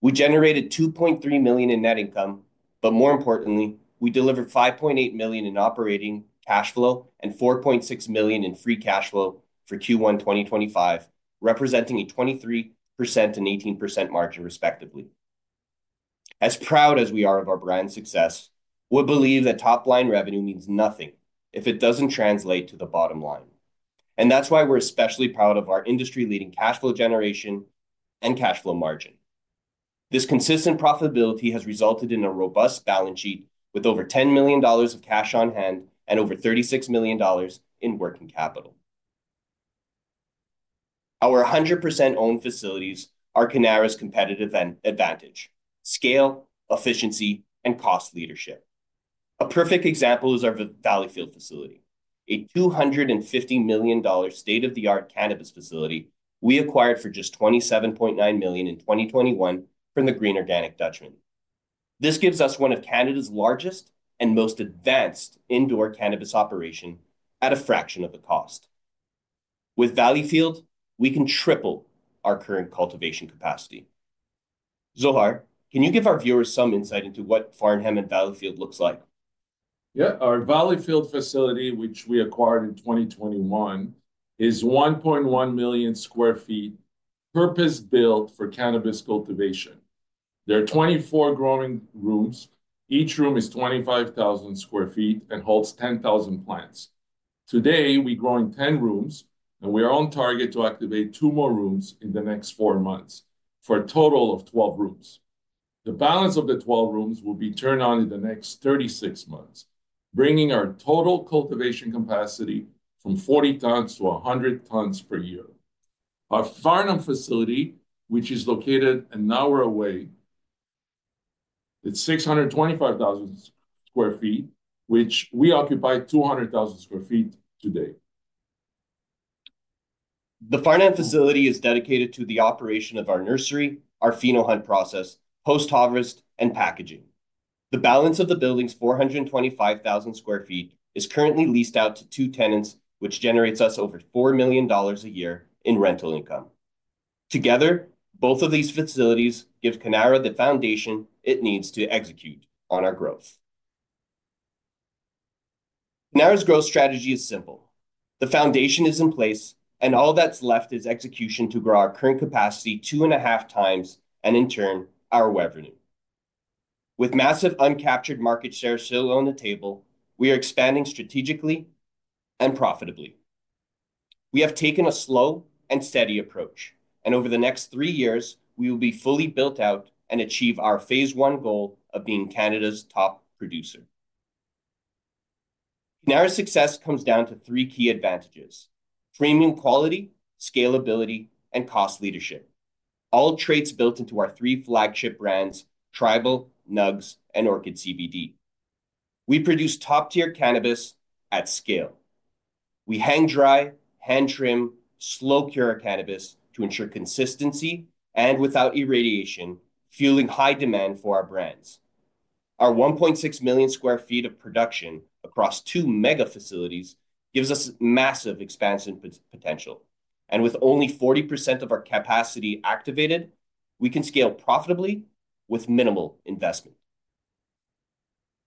We generated 2.3 million in net income, but more importantly, we delivered 5.8 million in operating cash flow and 4.6 million in free cash flow for Q1 2025, representing a 23% and 18% margin, respectively. As proud as we are of our brand success, we believe that top-line revenue means nothing if it doesn't translate to the bottom line. That is why we're especially proud of our industry-leading cash flow generation and cash flow margin. This consistent profitability has resulted in a robust balance sheet with over 10 million dollars of cash on hand and over 36 million dollars in working capital. Our 100% owned facilities are Cannara's competitive advantage: scale, efficiency, and cost leadership. A perfect example is our Valleyfield facility, a 250 million dollars state-of-the-art cannabis facility we acquired for just 27.9 million in 2021 from the Green Organic Dutchman. This gives us one of Canada's largest and most advanced indoor cannabis operations at a fraction of the cost. With Valleyfield, we can triple our current cultivation capacity. Zohar, can you give our viewers some insight into what Farnham and Valleyfield looks like? Yeah, our Valleyfield facility, which we acquired in 2021, is 1.1 million sq ft purpose-built for cannabis cultivation. There are 24 growing rooms. Each room is 25,000 sq ft and holds 10,000 plants. Today, we're growing 10 rooms, and we are on target to activate two more rooms in the next four months for a total of 12 rooms. The balance of the 12 rooms will be turned on in the next 36 months, bringing our total cultivation capacity from 40 tons to 100 tons per year. Our Farnham facility, which is located an hour away, it's 625,000 sq ft, which we occupy 200,000 sq ft today. The Farnham facility is dedicated to the operation of our nursery, our phenohunt process, post-harvest, and packaging. The balance of the building's 425,000 sq ft is currently leased out to two tenants, which generates us over 4 million dollars a year in rental income. Together, both of these facilities give Cannara the foundation it needs to execute on our growth. Cannara's growth strategy is simple. The foundation is in place, and all that's left is execution to grow our current capacity two and a half times and, in turn, our revenue. With massive uncaptured market share still on the table, we are expanding strategically and profitably. We have taken a slow and steady approach, and over the next three years, we will be fully built out and achieve our phase one goal of being Canada's top producer. Cannara's success comes down to three key advantages: premium quality, scalability, and cost leadership, all traits built into our three flagship brands: Tribal, Nugz, and Orchid CBD. We produce top-tier cannabis at scale. We hang dry, hand-trim, slow-cure our cannabis to ensure consistency and without irradiation, fueling high demand for our brands. Our 1.6 million sq ft of production across two mega facilities gives us massive expansion potential. With only 40% of our capacity activated, we can scale profitably with minimal investment.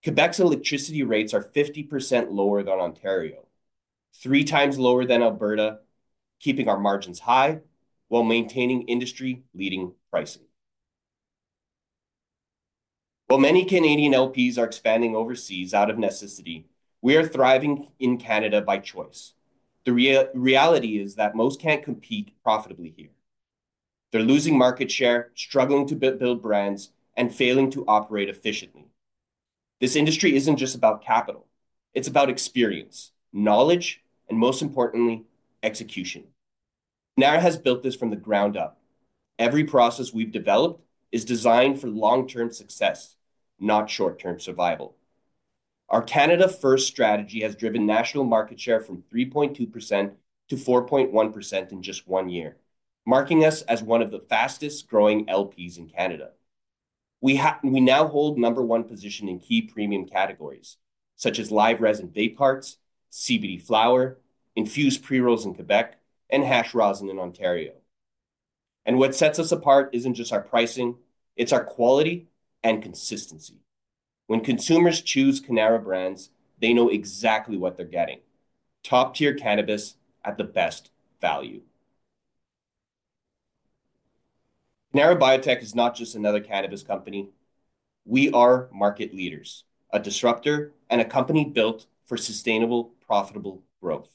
Quebec's electricity rates are 50% lower than Ontario, three times lower than Alberta, keeping our margins high while maintaining industry-leading pricing. While many Canadian LPs are expanding overseas out of necessity, we are thriving in Canada by choice. The reality is that most can't compete profitably here. They're losing market share, struggling to build brands, and failing to operate efficiently. This industry isn't just about capital. It's about experience, knowledge, and most importantly, execution. Cannara has built this from the ground up. Every process we've developed is designed for long-term success, not short-term survival. Our Canada-first strategy has driven national market share from 3.2% to 4.1% in just one year, marking us as one of the fastest-growing LPs in Canada. We now hold number one position in key premium categories such as live resin, vape parts, CBD flower, infused pre-rolls in Quebec, and hash rosin in Ontario. What sets us apart is not just our pricing. It is our quality and consistency. When consumers choose Cannara brands, they know exactly what they are getting: top-tier cannabis at the best value. Cannara Biotech is not just another cannabis company. We are market leaders, a disruptor, and a company built for sustainable, profitable growth.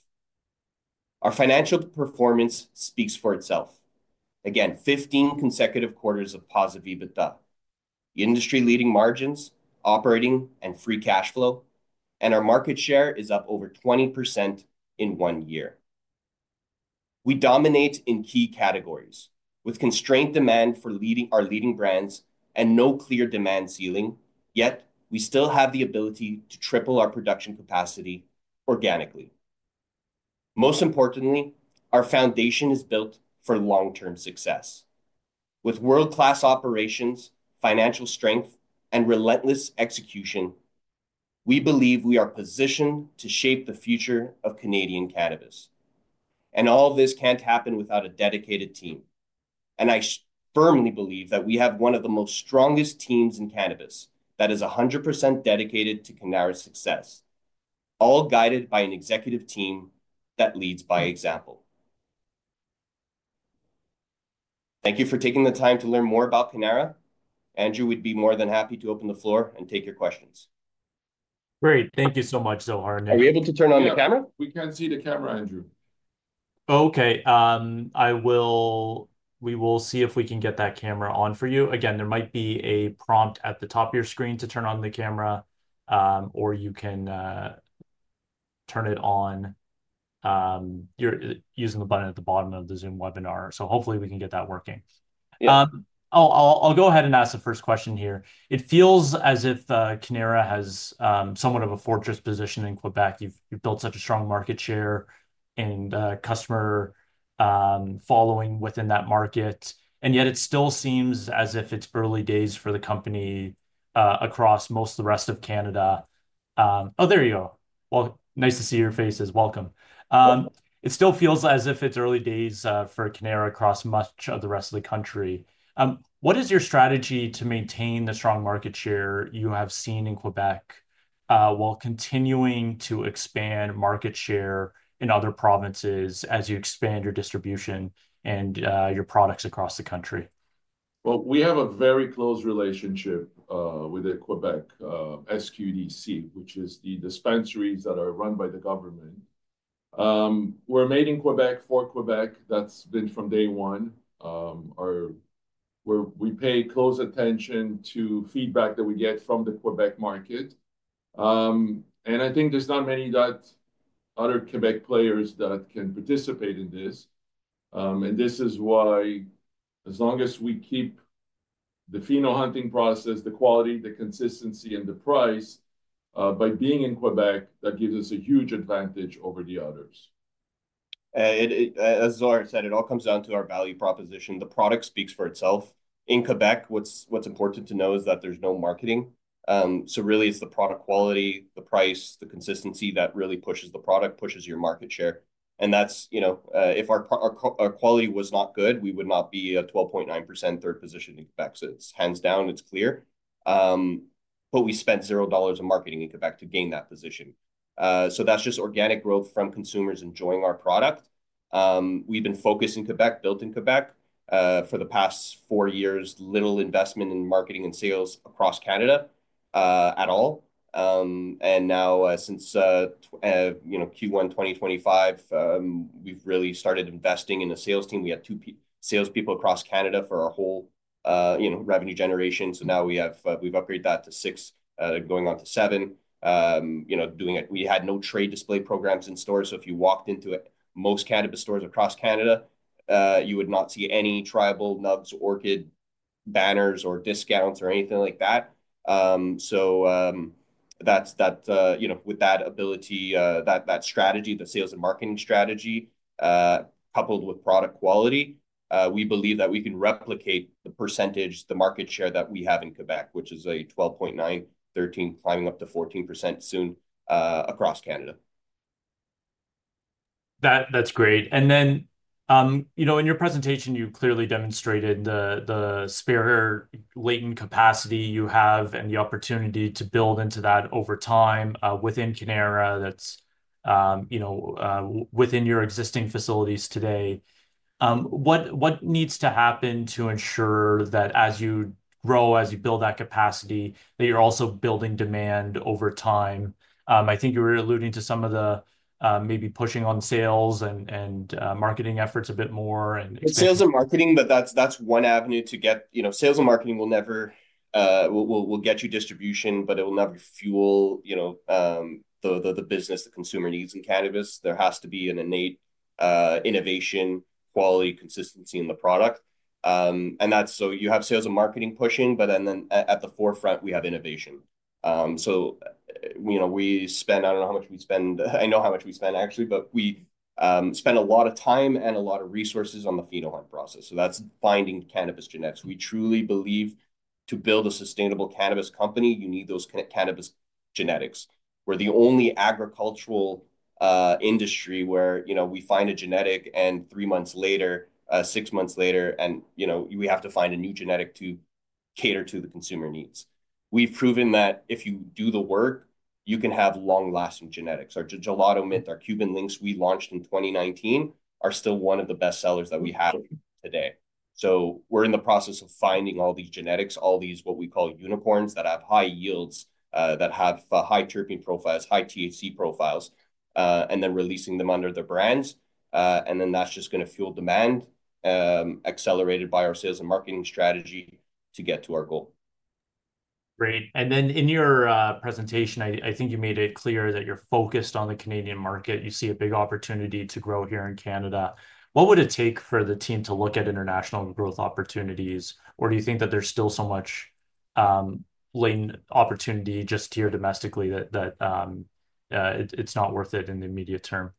Our financial performance speaks for itself. Again, 15 consecutive quarters of positive EBITDA, industry-leading margins, operating and free cash flow, and our market share is up over 20% in one year. We dominate in key categories with constrained demand for our leading brands and no clear demand ceiling, yet we still have the ability to triple our production capacity organically. Most importantly, our foundation is built for long-term success. With world-class operations, financial strength, and relentless execution, we believe we are positioned to shape the future of Canadian cannabis. All of this cannot happen without a dedicated team. I firmly believe that we have one of the strongest teams in cannabis that is 100% dedicated to Cannara's success, all guided by an executive team that leads by example. Thank you for taking the time to learn more about Cannara. Andrew would be more than happy to open the floor and take your questions. Great. Thank you so much, Zohar, Nic. Are we able to turn on the camera? We cannot see the camera, Andrew. Okay. We will see if we can get that camera on for you. Again, there might be a prompt at the top of your screen to turn on the camera, or you can turn it on using the button at the bottom of the Zoom webinar. Hopefully, we can get that working. I'll go ahead and ask the first question here. It feels as if Cannara has somewhat of a fortress position in Quebec. You've built such a strong market share and customer following within that market. Yet, it still seems as if it's early days for the company across most of the rest of Canada. Oh, there you go. Nice to see your faces. Welcome. It still feels as if it's early days for Cannara across much of the rest of the country. What is your strategy to maintain the strong market share you have seen in Quebec while continuing to expand market share in other provinces as you expand your distribution and your products across the country? We have a very close relationship with the Quebec SQDC, which is the dispensaries that are run by the government. We are made in Quebec, for Quebec. That has been from day one. We pay close attention to feedback that we get from the Quebec market. I think there are not many other Quebec players that can participate in this. This is why, as long as we keep the phenohunting process, the quality, the consistency, and the price by being in Quebec, that gives us a huge advantage over the others. As Zohar said, it all comes down to our value proposition. The product speaks for itself. In Quebec, what's important to know is that there's no marketing. Really, it's the product quality, the price, the consistency that really pushes the product, pushes your market share. If our quality was not good, we would not be a 12.9% third position in Quebec. It's hands down, it's clear. We spent 0 dollars in marketing in Quebec to gain that position. That's just organic growth from consumers enjoying our product. We've been focused in Quebec, built in Quebec for the past four years, little investment in marketing and sales across Canada at all. Now, since Q1 2025, we've really started investing in a sales team. We had two salespeople across Canada for our whole revenue generation. Now we've upgraded that to six, going on to seven, doing it. We had no trade display programs in stores. If you walked into most cannabis stores across Canada, you would not see any Tribal, Nugz, Orchid banners or discounts or anything like that. With that ability, that strategy, the sales and marketing strategy, coupled with product quality, we believe that we can replicate the percentage, the market share that we have in Quebec, which is a 12.9%, 13%, climbing up to 14% soon across Canada. That's great. In your presentation, you clearly demonstrated the spare latent capacity you have and the opportunity to build into that over time within Cannara, that's within your existing facilities today. What needs to happen to ensure that as you grow, as you build that capacity, that you're also building demand over time? I think you were alluding to maybe pushing on sales and marketing efforts a bit more. Sales and marketing, but that's one avenue to get sales and marketing will never get you distribution, but it will never fuel the business, the consumer needs in cannabis. There has to be an innate innovation, quality, consistency in the product. You have sales and marketing pushing, but then at the forefront, we have innovation. We spend, I don't know how much we spend. I know how much we spend, actually, but we spend a lot of time and a lot of resources on the phenohunt process. That's finding cannabis genetics. We truly believe to build a sustainable cannabis company, you need those cannabis genetics. We're the only agricultural industry where we find a genetic and three months later, six months later, and we have to find a new genetic to cater to the consumer needs. We've proven that if you do the work, you can have long-lasting genetics. Our Gelato Mint, our Cuban Linx we launched in 2019 are still one of the best sellers that we have today. We are in the process of finding all these genetics, all these what we call unicorns that have high yields, that have high terpene profiles, high THC profiles, and then releasing them under the brands. That is just going to fuel demand, accelerated by our sales and marketing strategy to get to our goal. Great. In your presentation, I think you made it clear that you're focused on the Canadian market. You see a big opportunity to grow here in Canada. What would it take for the team to look at international growth opportunities? Do you think that there's still so much opportunity just here domestically that it's not worth it in the immediate term?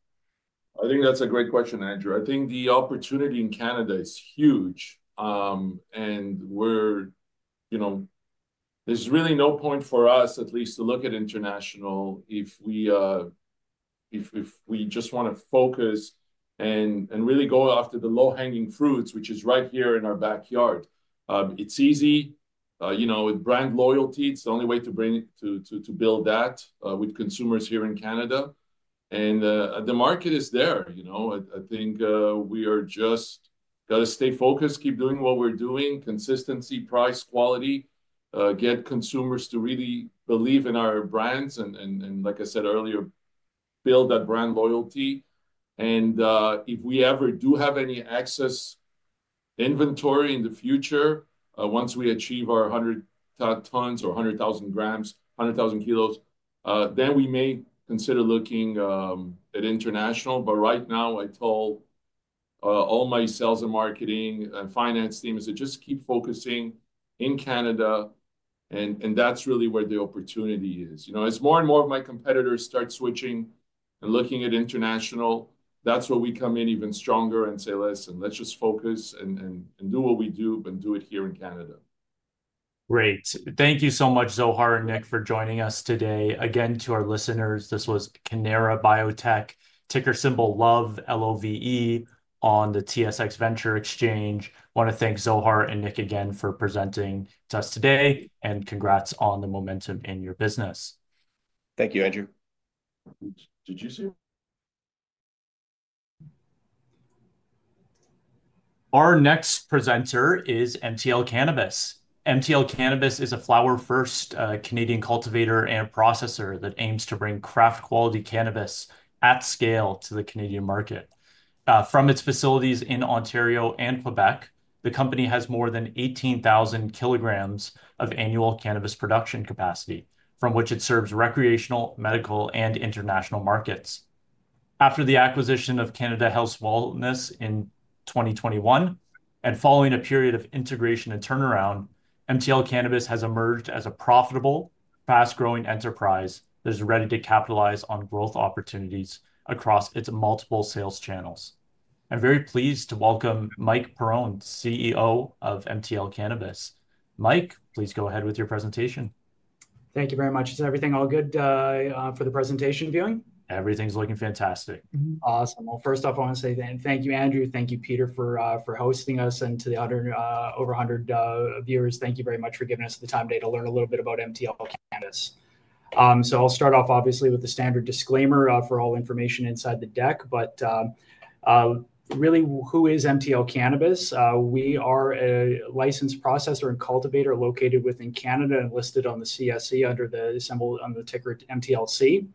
I think that's a great question, Andrew. I think the opportunity in Canada is huge. There's really no point for us, at least, to look at international if we just want to focus and really go after the low-hanging fruits, which is right here in our backyard. It's easy with brand loyalty. It's the only way to build that with consumers here in Canada. The market is there. I think we just got to stay focused, keep doing what we're doing, consistency, price, quality, get consumers to really believe in our brands, and like I said earlier, build that brand loyalty. If we ever do have any excess inventory in the future, once we achieve our 100 tons or 100,000 grams, 100,000 kilos, then we may consider looking at international. Right now, I told all my sales and marketing and finance teams to just keep focusing in Canada. That is really where the opportunity is. As more and more of my competitors start switching and looking at international, that is where we come in even stronger and say, "Listen, let's just focus and do what we do, but do it here in Canada." Great. Thank you so much, Zohar and Nic, for joining us today. Again, to our listeners, this was Cannara Biotech, ticker symbol LOVE, L-O-V-E, on the TSX Venture Exchange. I want to thank Zohar and Nick again for presenting to us today, and congrats on the momentum in your business. Thank you, Andrew. Did you see him? Our next presenter is MTL Cannabis. MTL Cannabis is a flower-first Canadian cultivator and processor that aims to bring craft-quality cannabis at scale to the Canadian market. From its facilities in Ontario and Quebec, the company has more than 18,000 kg of annual cannabis production capacity, from which it serves recreational, medical, and international markets. After the acquisition of Canada House Wellness in 2021, and following a period of integration and turnaround, MTL Cannabis has emerged as a profitable, fast-growing enterprise that is ready to capitalize on growth opportunities across its multiple sales channels. I'm very pleased to welcome Mike Perron, CEO of MTL Cannabis. Mike, please go ahead with your presentation. Thank you very much. Is everything all good for the presentation viewing? Everything's looking fantastic. Awesome. First off, I want to say, thank you, Andrew. Thank you, Peter, for hosting us. To the other over 100 viewers, thank you very much for giving us the time today to learn a little bit about MTL Cannabis. I'll start off, obviously, with the standard disclaimer for all information inside the deck. Really, who is MTL Cannabis? We are a licensed processor and cultivator located within Canada and listed on the CSE under the ticker MTLC.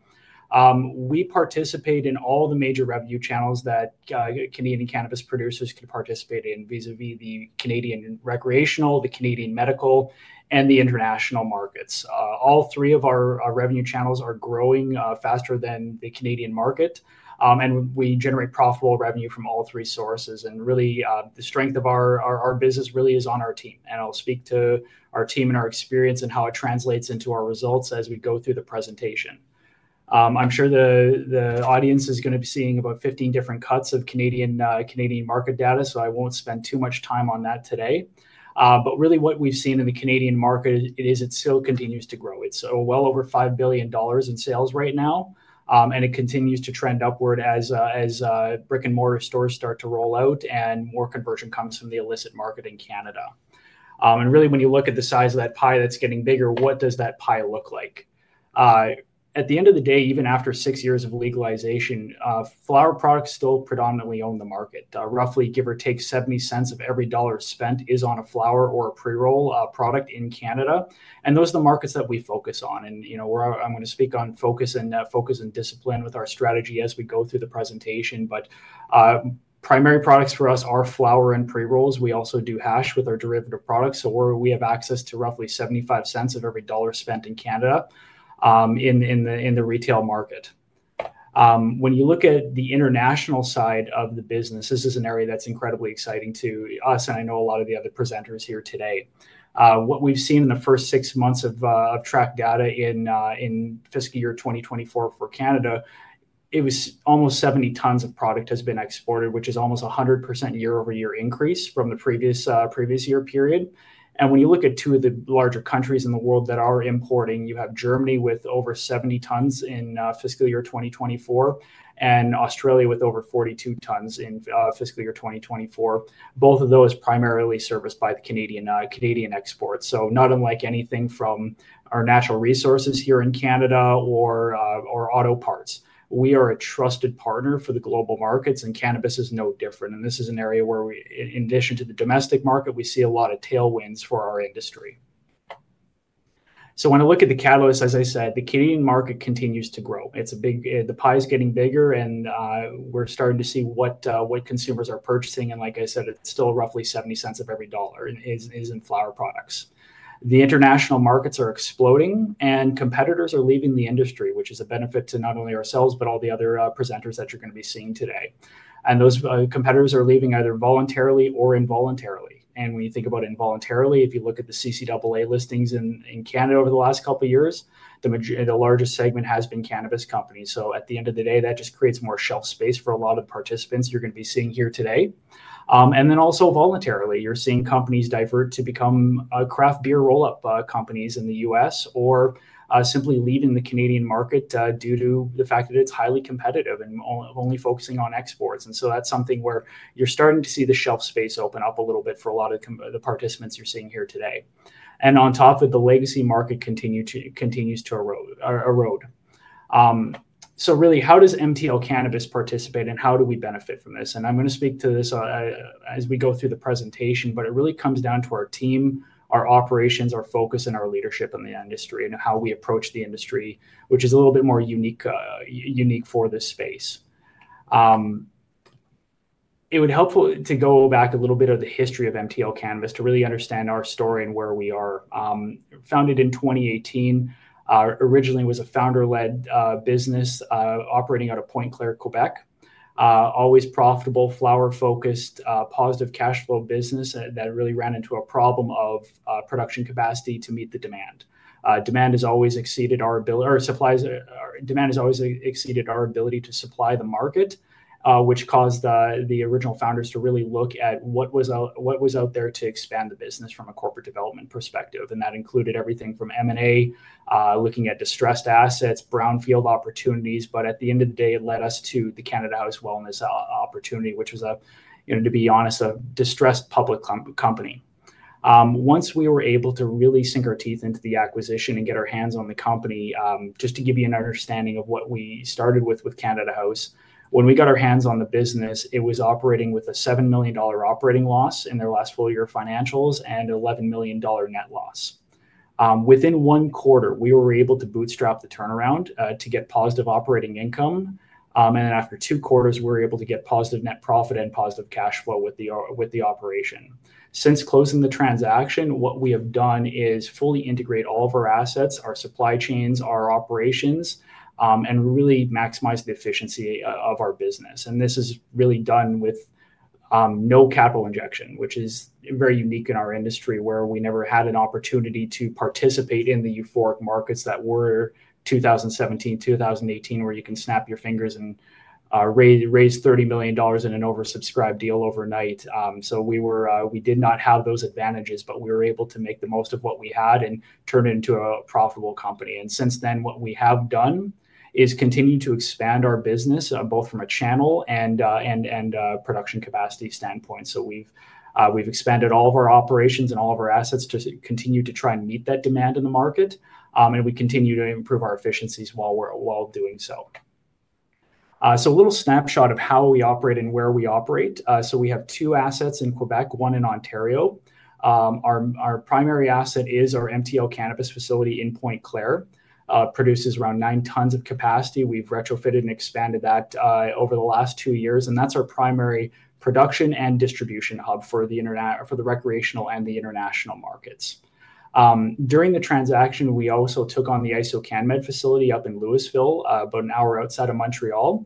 We participate in all the major revenue channels that Canadian cannabis producers can participate in vis-à-vis the Canadian recreational, the Canadian medical, and the international markets. All three of our revenue channels are growing faster than the Canadian market. We generate profitable revenue from all three sources. The strength of our business really is on our team. I'll speak to our team and our experience and how it translates into our results as we go through the presentation. I'm sure the audience is going to be seeing about 15 different cuts of Canadian market data, so I won't spend too much time on that today. Really, what we've seen in the Canadian market is it still continues to grow. It's well over 5 billion dollars in sales right now. It continues to trend upward as brick-and-mortar stores start to roll out and more conversion comes from the illicit market in Canada. Really, when you look at the size of that pie that's getting bigger, what does that pie look like? At the end of the day, even after six years of legalization, flower products still predominantly own the market. Roughly, give or take, 0.70 of every dollar spent is on a flower or a pre-roll product in Canada. Those are the markets that we focus on. I am going to speak on focus and discipline with our strategy as we go through the presentation. Primary products for us are flower and pre-rolls. We also do hash with our derivative products. We have access to roughly 0.75 of every dollar spent in Canada in the retail market. When you look at the international side of the business, this is an area that is incredibly exciting to us, and I know a lot of the other presenters here today. What we have seen in the first six months of track data in fiscal year 2024 for Canada, it was almost 70 tons of product has been exported, which is almost a 100% year-over-year increase from the previous year period. When you look at two of the larger countries in the world that are importing, you have Germany with over 70 tons in fiscal year 2024 and Australia with over 42 tons in fiscal year 2024. Both of those primarily serviced by the Canadian exports. Not unlike anything from our natural resources here in Canada or auto parts. We are a trusted partner for the global markets, and cannabis is no different. This is an area where, in addition to the domestic market, we see a lot of tailwinds for our industry. When I look at the catalysts, as I said, the Canadian market continues to grow. The pie is getting bigger, and we're starting to see what consumers are purchasing. Like I said, it's still roughly 70% of every dollar is in flower products. The international markets are exploding, and competitors are leaving the industry, which is a benefit to not only ourselves, but all the other presenters that you're going to be seeing today. Those competitors are leaving either voluntarily or involuntarily. When you think about involuntarily, if you look at the CCAA listings in Canada over the last couple of years, the largest segment has been cannabis companies. At the end of the day, that just creates more shelf space for a lot of participants you're going to be seeing here today. Also voluntarily, you're seeing companies divert to become craft beer roll-up companies in the U.S. or simply leaving the Canadian market due to the fact that it's highly competitive and only focusing on exports. That is something where you're starting to see the shelf space open up a little bit for a lot of the participants you're seeing here today. On top of that, the legacy market continues to erode. Really, how does MTL Cannabis participate, and how do we benefit from this? I'm going to speak to this as we go through the presentation, but it really comes down to our team, our operations, our focus, and our leadership in the industry and how we approach the industry, which is a little bit more unique for this space. It would be helpful to go back a little bit into the history of MTL Cannabis to really understand our story and where we are. Founded in 2018, it originally was a founder-led business operating out of Pointe Claire, Quebec. Always profitable, flower-focused, positive cash flow business that really ran into a problem of production capacity to meet the demand. Demand has always exceeded our ability or supplies. Demand has always exceeded our ability to supply the market, which caused the original founders to really look at what was out there to expand the business from a corporate development perspective. That included everything from M&A, looking at distressed assets, brownfield opportunities. At the end of the day, it led us to the Canada House Wellness opportunity, which was, to be honest, a distressed public company. Once we were able to really sink our teeth into the acquisition and get our hands on the company, just to give you an understanding of what we started with Canada House, when we got our hands on the business, it was operating with a 7 million dollar operating loss in their last full year of financials and 11 million dollar net loss. Within one quarter, we were able to bootstrap the turnaround to get positive operating income. After two quarters, we were able to get positive net profit and positive cash flow with the operation. Since closing the transaction, what we have done is fully integrate all of our assets, our supply chains, our operations, and really maximize the efficiency of our business. This is really done with no capital injection, which is very unique in our industry where we never had an opportunity to participate in the euphoric markets that were 2017, 2018, where you can snap your fingers and raise 30 million dollars in an oversubscribed deal overnight. We did not have those advantages, but we were able to make the most of what we had and turn it into a profitable company. Since then, what we have done is continue to expand our business both from a channel and production capacity standpoint. We have expanded all of our operations and all of our assets to continue to try and meet that demand in the market. We continue to improve our efficiencies while doing so. A little snapshot of how we operate and where we operate. We have two assets in Quebec, one in Ontario. Our primary asset is our MTL Cannabis facility in Pointe Claire. It produces around 9 tons of capacity. We have retrofitted and expanded that over the last two years. That is our primary production and distribution hub for the recreational and the international markets. During the transaction, we also took on the IsoCanMed facility up in Louiseville, about an hour outside of Montreal.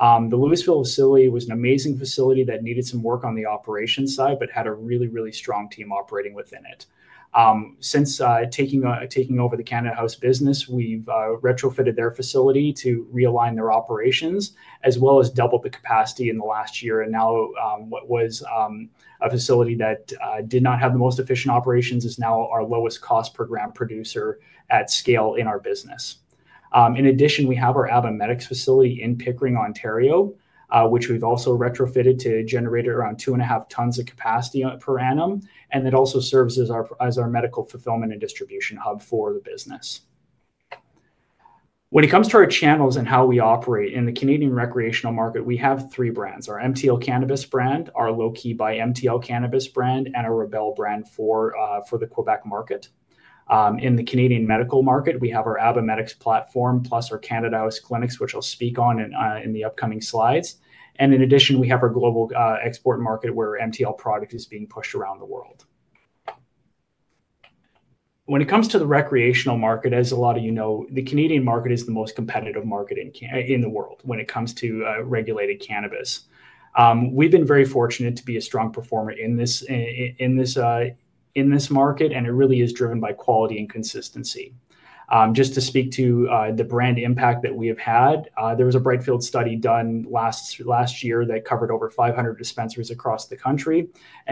The Louiseville facility was an amazing facility that needed some work on the operation side, but had a really, really strong team operating within it. Since taking over the Canada House business, we have retrofitted their facility to realign their operations, as well as double the capacity in the last year. Now what was a facility that did not have the most efficient operations is now our lowest cost per gram producer at scale in our business. In addition, we have our Abba Medix facility in Pickering, Ontario, which we've also retrofitted to generate around 2.5 tons of capacity per annum. It also serves as our medical fulfillment and distribution hub for the business. When it comes to our channels and how we operate in the Canadian recreational market, we have three brands: our MTL Cannabis brand, our LowKey by MTL Cannabis brand, and our Rebel brand for the Quebec market. In the Canadian medical market, we have our Abba Medix platform, plus our Canada House clinics, which I'll speak on in the upcoming slides. In addition, we have our global export market where MTL product is being pushed around the world. When it comes to the recreational market, as a lot of you know, the Canadian market is the most competitive market in the world when it comes to regulated cannabis. We've been very fortunate to be a strong performer in this market, and it really is driven by quality and consistency. Just to speak to the brand impact that we have had, there was a Brightfield study done last year that covered over 500 dispensaries across the country.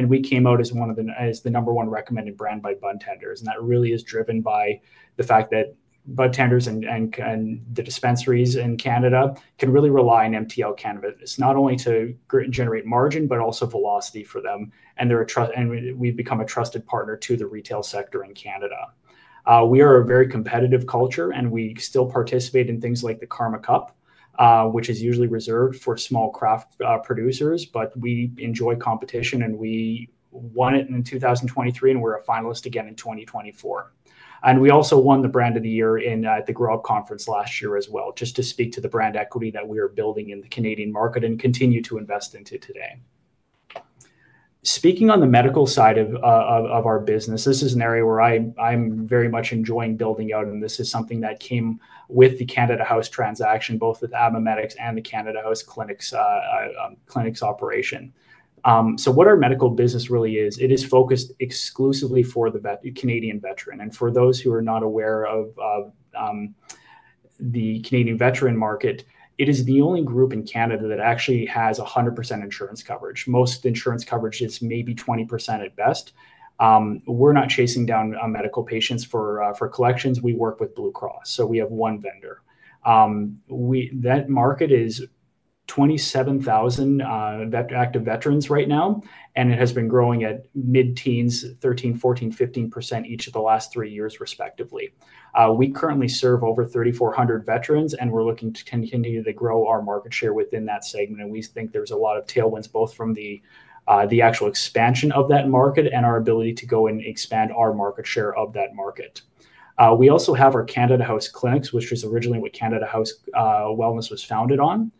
We came out as one of the number one recommended brands by budtenders. That really is driven by the fact that budtenders and the dispensaries in Canada can really rely on MTL Cannabis. It's not only to generate margin, but also velocity for them. We have become a trusted partner to the retail sector in Canada. We are a very competitive culture, and we still participate in things like the Karma Cup, which is usually reserved for small craft producers, but we enjoy competition, and we won it in 2023, and we're a finalist again in 2024. We also won the Brand of the Year at the Grow Up Conference last year as well, just to speak to the brand equity that we are building in the Canadian market and continue to invest into today. Speaking on the medical side of our business, this is an area where I'm very much enjoying building out, and this is something that came with the Canada House transaction, both with Abba Medix and the Canada House clinics operation. What our medical business really is, it is focused exclusively for the Canadian veteran. For those who are not aware of the Canadian veteran market, it is the only group in Canada that actually has 100% insurance coverage. Most insurance coverage is maybe 20% at best. We're not chasing down medical patients for collections. We work with Blue Cross. We have one vendor. That market is 27,000 active veterans right now, and it has been growing at mid-teens, 13%, 14%, 15% each of the last three years, respectively. We currently serve over 3,400 veterans, and we're looking to continue to grow our market share within that segment. We think there's a lot of tailwinds both from the actual expansion of that market and our ability to go and expand our market share of that market. We also have our Canada House clinics, which was originally what Canada House Wellness was founded on.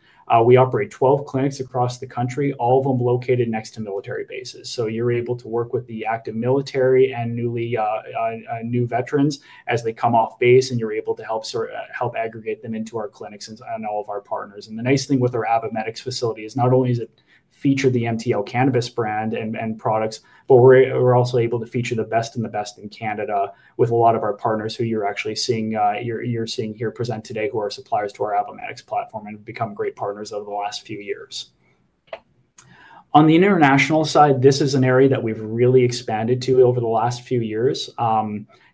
We operate 12 clinics across the country, all of them located next to military bases. You are able to work with the active military and new veterans as they come off base, and you are able to help aggregate them into our clinics and all of our partners. The nice thing with our Abba Medix facility is not only does it feature the MTL Cannabis brand and products, but we're also able to feature the best and the best in Canada with a lot of our partners who you're actually seeing here present today, who are suppliers to our Abba Medix platform and have become great partners over the last few years. On the international side, this is an area that we've really expanded to over the last few years.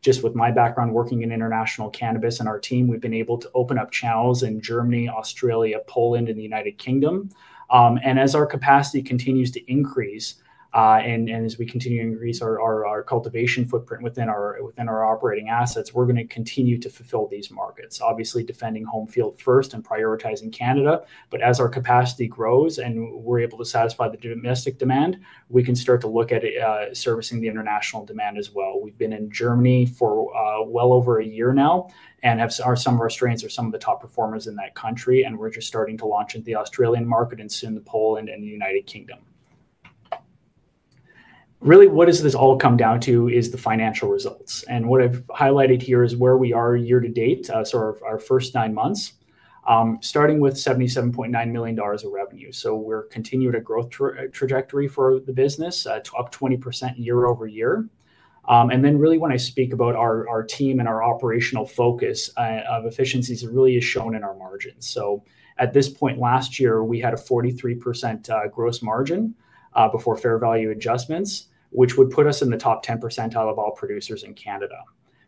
Just with my background working in international cannabis and our team, we've been able to open up channels in Germany, Australia, Poland, and the United Kingdom. As our capacity continues to increase and as we continue to increase our cultivation footprint within our operating assets, we're going to continue to fulfill these markets, obviously defending home field first and prioritizing Canada. As our capacity grows and we're able to satisfy the domestic demand, we can start to look at servicing the international demand as well. We've been in Germany for well over a year now and some of our strains are some of the top performers in that country. We're just starting to launch into the Australian market and soon Poland and the United Kingdom. Really, what this all comes down to is the financial results. What I've highlighted here is where we are year to date, sort of our first nine months, starting with 77.9 million dollars of revenue. We're continuing a growth trajectory for the business, up 20% year-over-year. When I speak about our team and our operational focus of efficiencies, it really is shown in our margins. At this point last year, we had a 43% gross margin before fair value adjustments, which would put us in the top 10 percentile of all producers in Canada.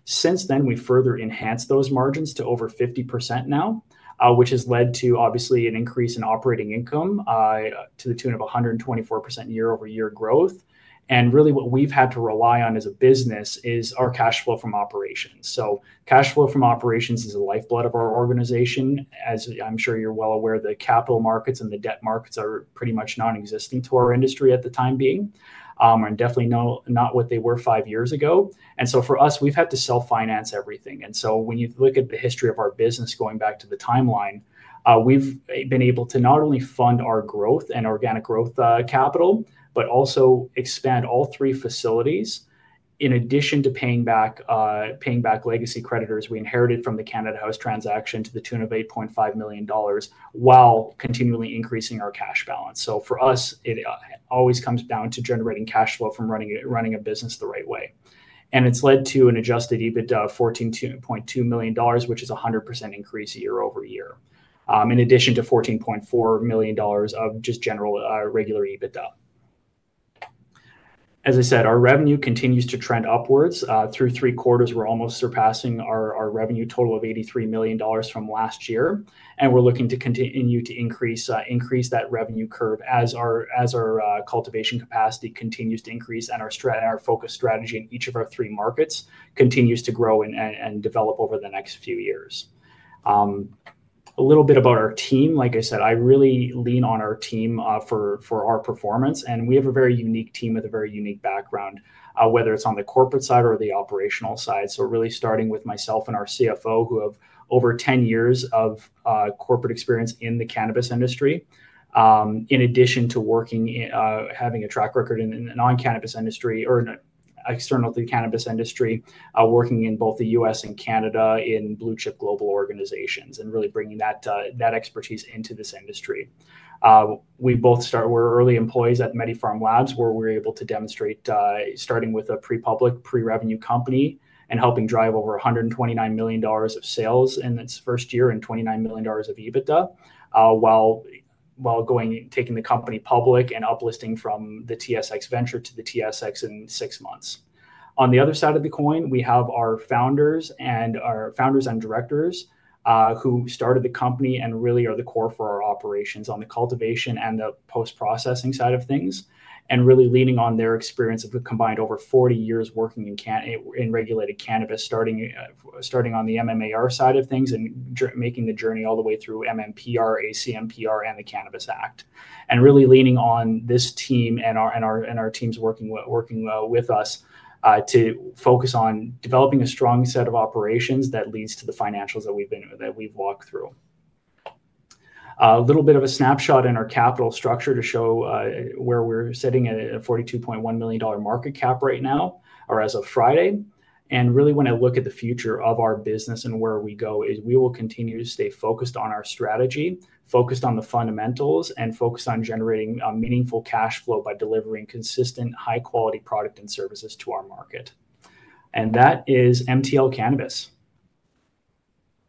Since then, we've further enhanced those margins to over 50% now, which has led to, obviously, an increase in operating income to the tune of 124% year-over-year growth. Really, what we've had to rely on as a business is our cash flow from operations. Cash flow from operations is a lifeblood of our organization. As I'm sure you're well aware, the capital markets and the debt markets are pretty much nonexistent to our industry at the time being and definitely not what they were five years ago. For us, we've had to self-finance everything. When you look at the history of our business going back to the timeline, we've been able to not only fund our growth and organic growth capital, but also expand all three facilities in addition to paying back legacy creditors we inherited from the Canada House transaction to the tune of 8.5 million dollars while continually increasing our cash balance. For us, it always comes down to generating cash flow from running a business the right way. It has led to an adjusted EBITDA of 14.2 million dollars, which is a 100% increase year-over-year, in addition to 14.4 million dollars of just general regular EBITDA. As I said, our revenue continues to trend upwards. Through three quarters, we're almost surpassing our revenue total of 83 million dollars from last year. We are looking to continue to increase that revenue curve as our cultivation capacity continues to increase and our focus strategy in each of our three markets continues to grow and develop over the next few years. A little bit about our team. Like I said, I really lean on our team for our performance. We have a very unique team with a very unique background, whether it is on the corporate side or the operational side. Really starting with myself and our CFO, who have over 10 years of corporate experience in the cannabis industry, in addition to having a track record in a non-cannabis industry or external to the cannabis industry, working in both the U.S. and Canada in blue-chip global organizations and really bringing that expertise into this industry. We both started, we're early employees at MediPharm Labs, where we were able to demonstrate, starting with a pre-public, pre-revenue company and helping drive over 129 million dollars of sales in its first year and 29 million dollars of EBITDA while taking the company public and uplisting from the TSX Venture to the TSX in six months. On the other side of the coin, we have our founders and directors who started the company and really are the core for our operations on the cultivation and the post-processing side of things, and really leaning on their experience of a combined over 40 years working in regulated cannabis, starting on the MMAR side of things and making the journey all the way through MMPR, ACMPR, and the Cannabis Act. Really leaning on this team and our teams working with us to focus on developing a strong set of operations that leads to the financials that we've walked through. A little bit of a snapshot in our capital structure to show where we're sitting at 42.1 million dollar market cap right now or as of Friday. Really, when I look at the future of our business and where we go, we will continue to stay focused on our strategy, focused on the fundamentals, and focused on generating meaningful cash flow by delivering consistent, high-quality product and services to our market. That is MTL Cannabis.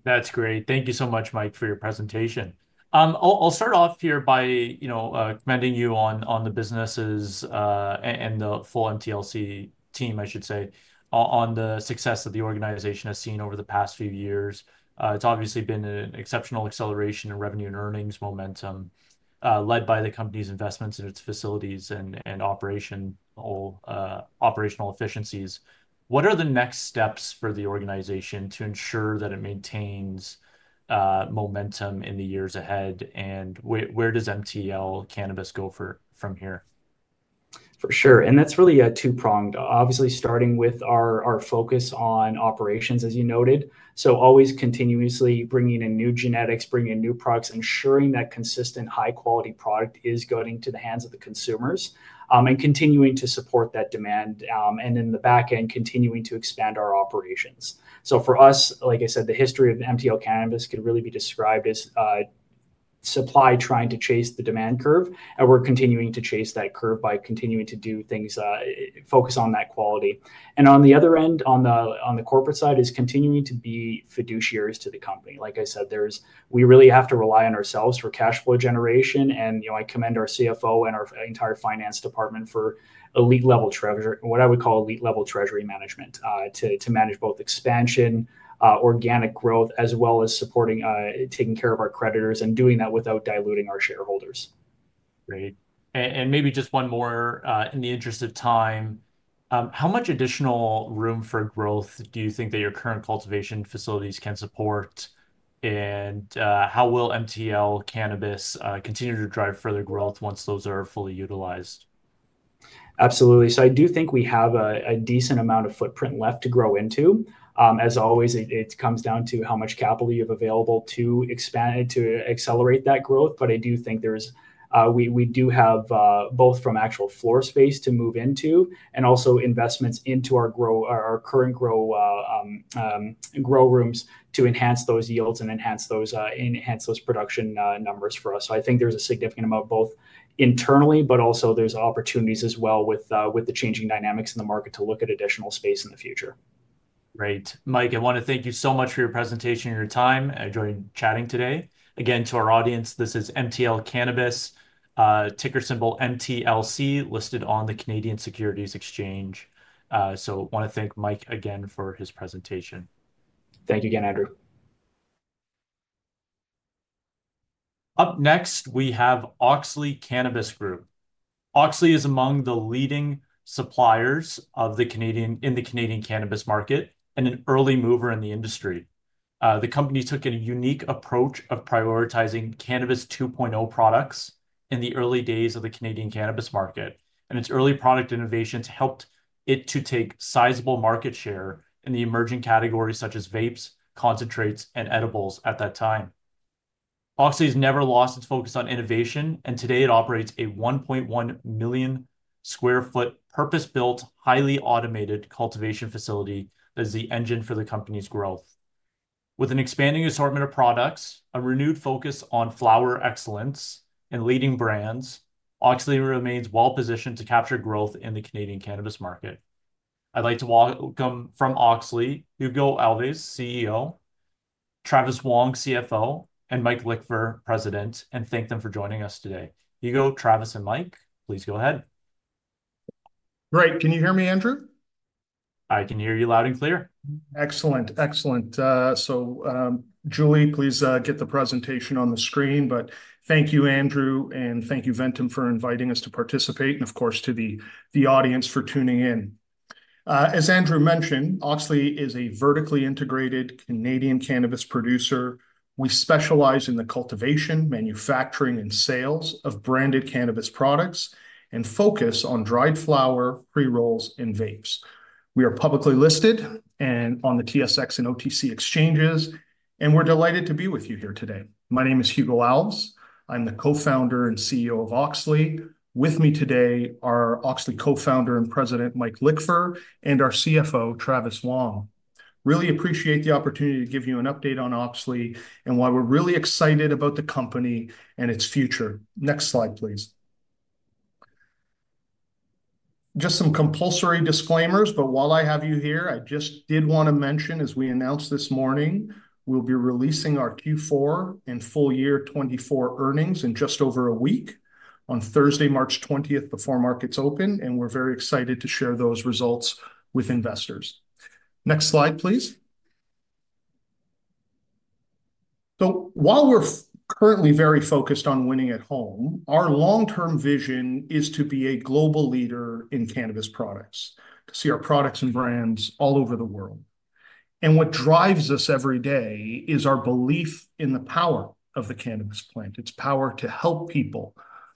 That's great. Thank you so much, Margaret, for your presentation. I'll start off here by commending you on the business and the full MTLC, I should say, on the success that the organization has seen over the past few years. It's obviously been an exceptional acceleration in revenue and earnings momentum led by the company's investments in its facilities and operational efficiencies. What are the next steps for the organization to ensure that it maintains momentum in the years ahead? Where does MTL Cannabis go from here? For sure. That is really two-pronged, obviously, starting with our focus on operations, as you noted. Always continuously bringing in new genetics, bringing in new products, ensuring that consistent, high-quality product is going to the hands of the consumers and continuing to support that demand. In the back end, continuing to expand our operations. For us, like I said, the history of MTL Cannabis could really be described as supply trying to chase the demand curve. We are continuing to chase that curve by continuing to do things, focus on that quality. On the other end, on the corporate side, is continuing to be fiduciaries to the company. Like I said, we really have to rely on ourselves for cash flow generation. I commend our CFO and our entire finance department for elite-level, what I would call elite-level treasury management to manage both expansion, organic growth, as well as taking care of our creditors and doing that without diluting our shareholders. Great. Maybe just one more in the interest of time. How much additional room for growth do you think that your current cultivation facilities can support? How will MTL Cannabis continue to drive further growth once those are fully utilized? Absolutely. I do think we have a decent amount of footprint left to grow into. As always, it comes down to how much capital you have available to accelerate that growth. I do think we do have both from actual floor space to move into and also investments into our current grow rooms to enhance those yields and enhance those production numbers for us. I think there's a significant amount both internally, but also there's opportunities as well with the changing dynamics in the market to look at additional space in the future. Great. Mike, I want to thank you so much for your presentation and your time joining chatting today. Again, to our audience, this is MTL Cannabis, ticker symbol MTLC, listed on the Canadian Securities Exchange. I want to thank Mike again for his presentation. Thank you again, Andrew. Up next, we have Auxly Cannabis Group. Auxly is among the leading suppliers in the Canadian cannabis market and an early mover in the industry. The company took a unique approach of prioritizing cannabis 2.0 products in the early days of the Canadian cannabis market. Its early product innovations helped it to take sizable market share in the emerging categories such as vapes, concentrates, and edibles at that time. Auxly has never lost its focus on innovation. Today, it operates a 1.1 million sq ft purpose-built, highly automated cultivation facility that is the engine for the company's growth. With an expanding assortment of products, a renewed focus on flower excellence, and leading brands, Auxly remains well-positioned to capture growth in the Canadian cannabis market. I'd like to welcome from Auxly, Hugo Alves, CEO, Travis Wong, CFO, and Mike Lichver, President, and thank them for joining us today. Hugo, Travis, and Mike, please go ahead. Great. Can you hear me, Andrew? I can hear you loud and clear. Excellent. Excellent. Julie, please get the presentation on the screen. Thank you, Andrew, and thank you, Ventum, for inviting us to participate and, of course, to the audience for tuning in. As Andrew mentioned, Auxly is a vertically integrated Canadian cannabis producer. We specialize in the cultivation, manufacturing, and sales of branded cannabis products and focus on dried flower, pre-rolls, and vapes. We are publicly listed on the TSX and OTC exchanges. We are delighted to be with you here today. My name is Hugo Alves. I'm the co-founder and CEO of Auxly. With me today are Auxly co-founder and President Mike Lickver and our CFO, Travis Wong. I really appreciate the opportunity to give you an update on Auxly and why we're really excited about the company and its future. Next slide, please. Just some compulsory disclaimers. While I have you here, I just did want to mention, as we announced this morning, we'll be releasing our Q4 and full year 2024 earnings in just over a week on Thursday, March 20th, before markets open. We're very excited to share those results with investors. Next slide, please. While we're currently very focused on winning at home, our long-term vision is to be a global leader in cannabis products to see our products and brands all over the world. What drives us every day is our belief in the power of the cannabis plant, its power to help people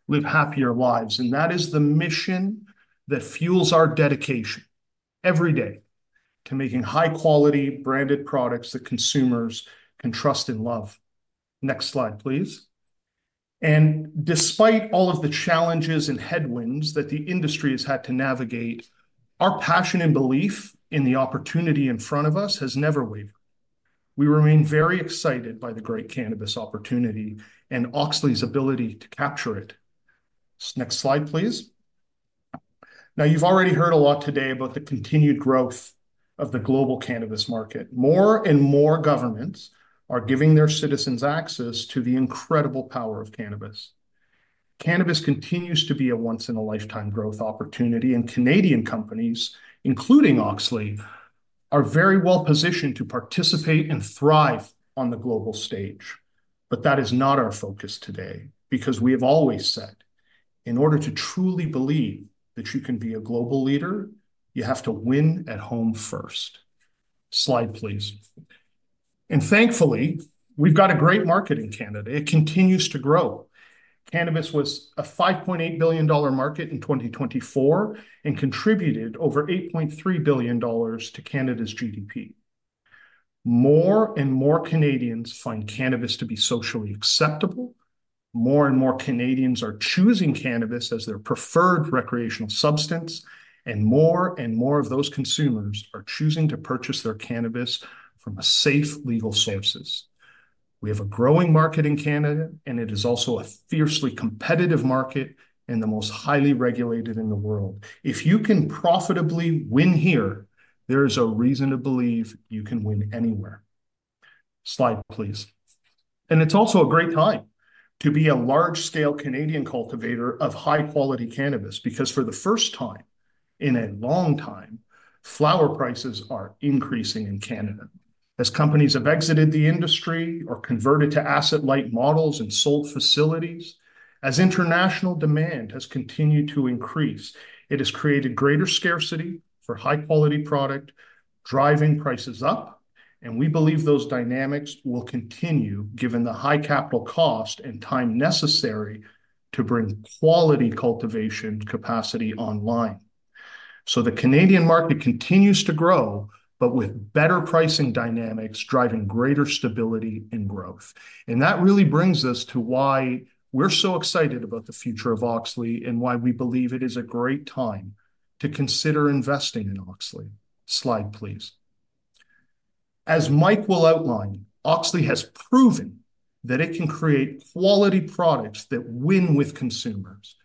live happier lives. That is the mission that fuels our dedication every day to making high-quality branded products that consumers can trust and love. Next slide, please. Despite all of the challenges and headwinds that the industry has had to navigate, our passion and belief in the opportunity in front of us has never wavered. We remain very excited by the great cannabis opportunity and Auxly's ability to capture it. Next slide, please. You have already heard a lot today about the continued growth of the global cannabis market. More and more governments are giving their citizens access to the incredible power of cannabis. Cannabis continues to be a once-in-a-lifetime growth opportunity. Canadian companies, including Auxly, are very well-positioned to participate and thrive on the global stage. That is not our focus today because we have always said, in order to truly believe that you can be a global leader, you have to win at home first. Slide please. Thankfully, we have got a great market in Canada. It continues to grow. Cannabis was a 5.8 billion dollar market in 2024 and contributed over 8.3 billion dollars to Canada's GDP. More and more Canadians find cannabis to be socially acceptable. More and more Canadians are choosing cannabis as their preferred recreational substance. More and more of those consumers are choosing to purchase their cannabis from safe legal sources. We have a growing market in Canada, and it is also a fiercely competitive market and the most highly regulated in the world. If you can profitably win here, there is a reason to believe you can win anywhere. Slide please. It is also a great time to be a large-scale Canadian cultivator of high-quality cannabis because for the first time in a long time, flower prices are increasing in Canada. As companies have exited the industry or converted to asset-light models and sold facilities, as international demand has continued to increase, it has created greater scarcity for high-quality product, driving prices up. We believe those dynamics will continue given the high capital cost and time necessary to bring quality cultivation capacity online. The Canadian market continues to grow, with better pricing dynamics driving greater stability and growth. That really brings us to why we're so excited about the future of Auxly and why we believe it is a great time to consider investing in Auxly. Slide please. As Mike will outline, Auxly has proven that it can create quality products that win with consumers.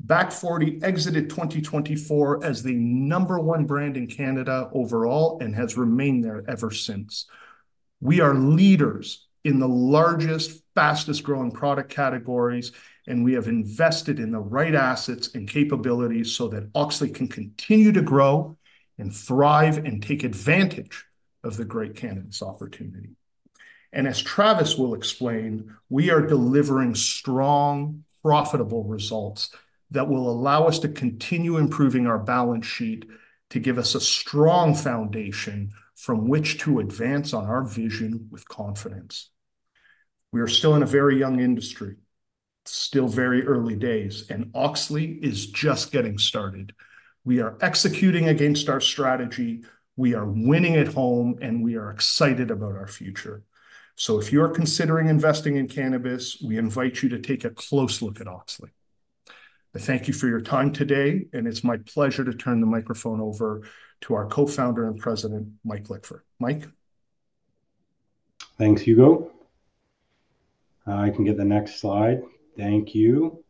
Back Forty exited 2024 as the number one brand in Canada overall and has remained there ever since. We are leaders in the largest, fastest-growing product categories, and we have invested in the right assets and capabilities so that Auxly can continue to grow and thrive and take advantage of the great cannabis opportunity. As Travis will explain, we are delivering strong, profitable results that will allow us to continue improving our balance sheet to give us a strong foundation from which to advance on our vision with confidence. We are still in a very young industry, still very early days, and Auxly is just getting started. We are executing against our strategy. We are winning at home, and we are excited about our future. If you are considering investing in cannabis, we invite you to take a close look at Auxly. I thank you for your time today, and it is my pleasure to turn the microphone over to our Co-founder and President, Mike Lickver. Mike. Thanks, Hugo. I can get the next slide. Thank you.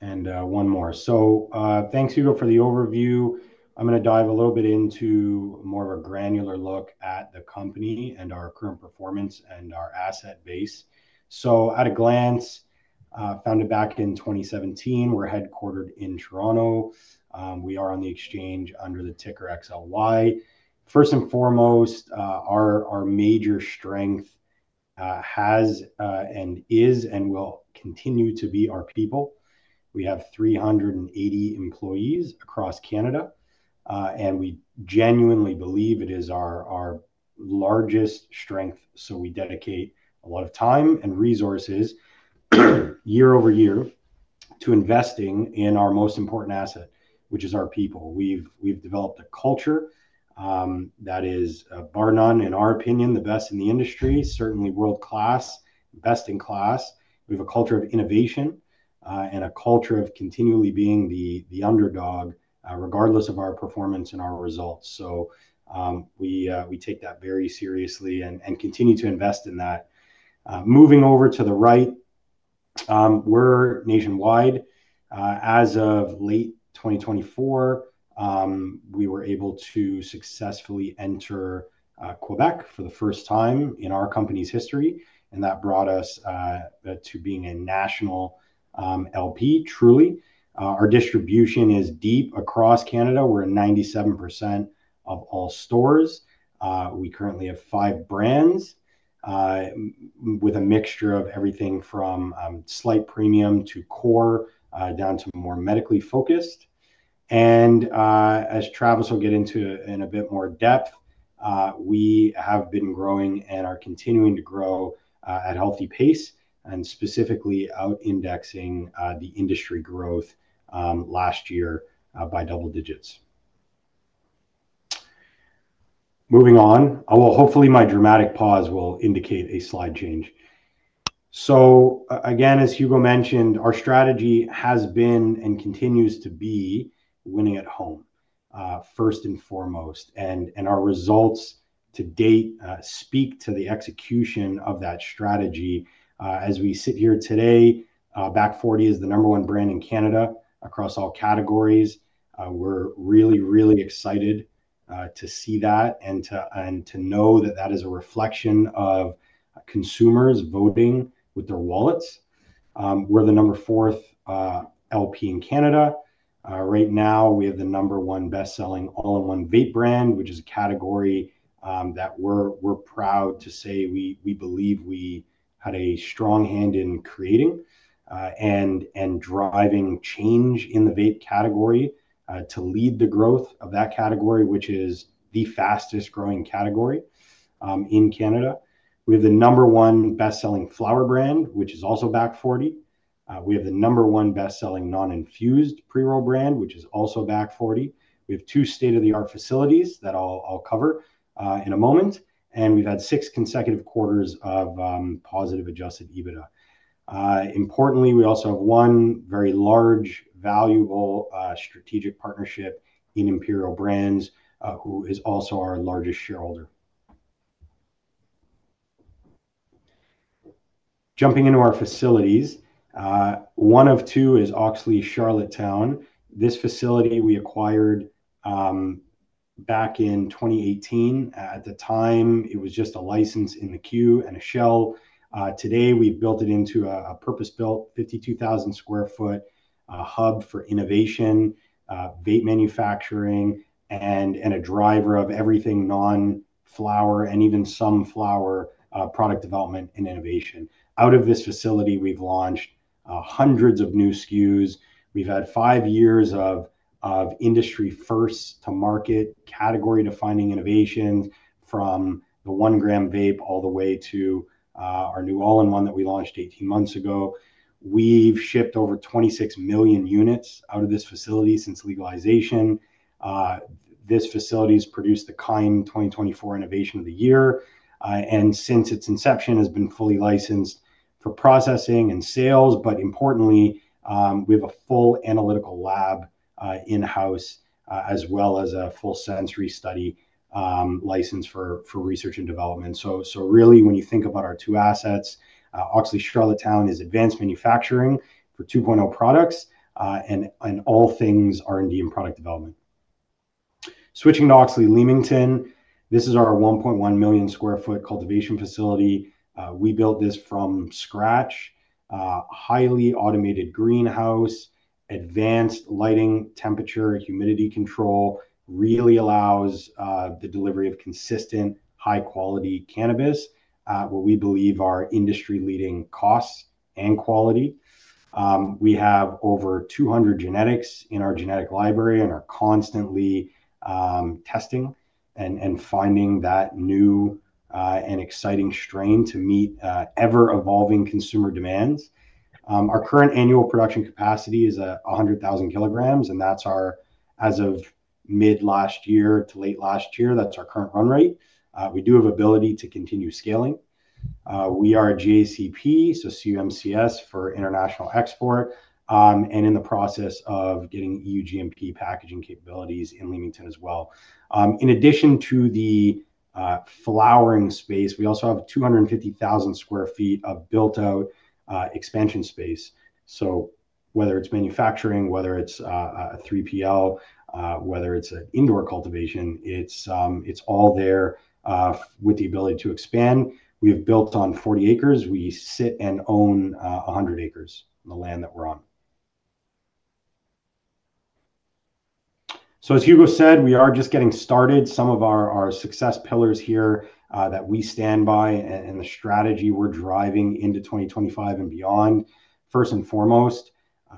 And one more. Thanks, Hugo, for the overview. I'm going to dive a little bit into more of a granular look at the company and our current performance and our asset base. At a glance, founded back in 2017, we're headquartered in Toronto. We are on the exchange under the ticker XLY. First and foremost, our major strength has and is and will continue to be our people. We have 380 employees across Canada, and we genuinely believe it is our largest strength. We dedicate a lot of time and resources year-over-year to investing in our most important asset, which is our people. We've developed a culture that is bar none, in our opinion, the best in the industry, certainly world-class, best in class. We have a culture of innovation and a culture of continually being the underdog regardless of our performance and our results. We take that very seriously and continue to invest in that. Moving over to the right, we are nationwide. As of late 2024, we were able to successfully enter Quebec for the first time in our company's history. That brought us to being a national LP, truly. Our distribution is deep across Canada. We are in 97% of all stores. We currently have five brands with a mixture of everything from slight premium to core down to more medically focused. As Travis will get into in a bit more depth, we have been growing and are continuing to grow at a healthy pace and specifically out-indexing the industry growth last year by double digits. Moving on, hopefully my dramatic pause will indicate a slide change. As Hugo mentioned, our strategy has been and continues to be winning at home, first and foremost. Our results to date speak to the execution of that strategy. As we sit here today, Back Forty is the number one brand in Canada across all categories. We are really, really excited to see that and to know that is a reflection of consumers voting with their wallets. We are the number fourth LP in Canada. Right now, we have the number one best-selling all-in-one vape brand, which is a category that we are proud to say we believe we had a strong hand in creating and driving change in the vape category to lead the growth of that category, which is the fastest-growing category in Canada. We have the number one best-selling flower brand, which is also Back Forty. We have the number one best-selling non-infused pre-roll brand, which is also Back Forty. We have two state-of-the-art facilities that I'll cover in a moment. We have had six consecutive quarters of positive adjusted EBITDA. Importantly, we also have one very large, valuable strategic partnership in Imperial Brands, who is also our largest shareholder. Jumping into our facilities, one of two is Auxly Charlottetown. This facility we acquired back in 2018. At the time, it was just a license in the queue and a shell. Today, we have built it into a purpose-built 52,000 sq ft hub for innovation, vape manufacturing, and a driver of everything non-flower and even some flower product development and innovation. Out of this facility, we have launched hundreds of new SKUs. We have had five years of industry-first-to-market category-defining innovations from the one-gram vape all the way to our new all-in-one that we launched 18 months ago. We've shipped over 26 million units out of this facility since legalization. This facility has produced the KIND 2024 Innovation of the Year. Since its inception, it has been fully licensed for processing and sales. Importantly, we have a full analytical lab in-house as well as a full sensory study license for research and development. Really, when you think about our two assets, Auxly Charlottetown is advanced manufacturing for 2.0 products and all things R&D and product development. Switching to Auxly Leamington, this is our 1.1 million sq ft cultivation facility. We built this from scratch, highly automated greenhouse, advanced lighting, temperature, humidity control really allows the delivery of consistent, high-quality cannabis where we believe are industry-leading costs and quality. We have over 200 genetics in our genetic library and are constantly testing and finding that new and exciting strain to meet ever-evolving consumer demands. Our current annual production capacity is 100,000 kg. That is our, as of mid-last year to late last year, that is our current run rate. We do have ability to continue scaling. We are a GACP, so CUMCS for international export, and in the process of getting EUGMP packaging capabilities in Leamington as well. In addition to the flowering space, we also have 250,000 sq ft of built-out expansion space. Whether it is manufacturing, whether it is a 3PL, whether it is indoor cultivation, it is all there with the ability to expand. We have built on 40 acres. We sit and own 100 acres on the land that we are on. As Hugo said, we are just getting started. Some of our success pillars here that we stand by and the strategy we are driving into 2025 and beyond. First and foremost,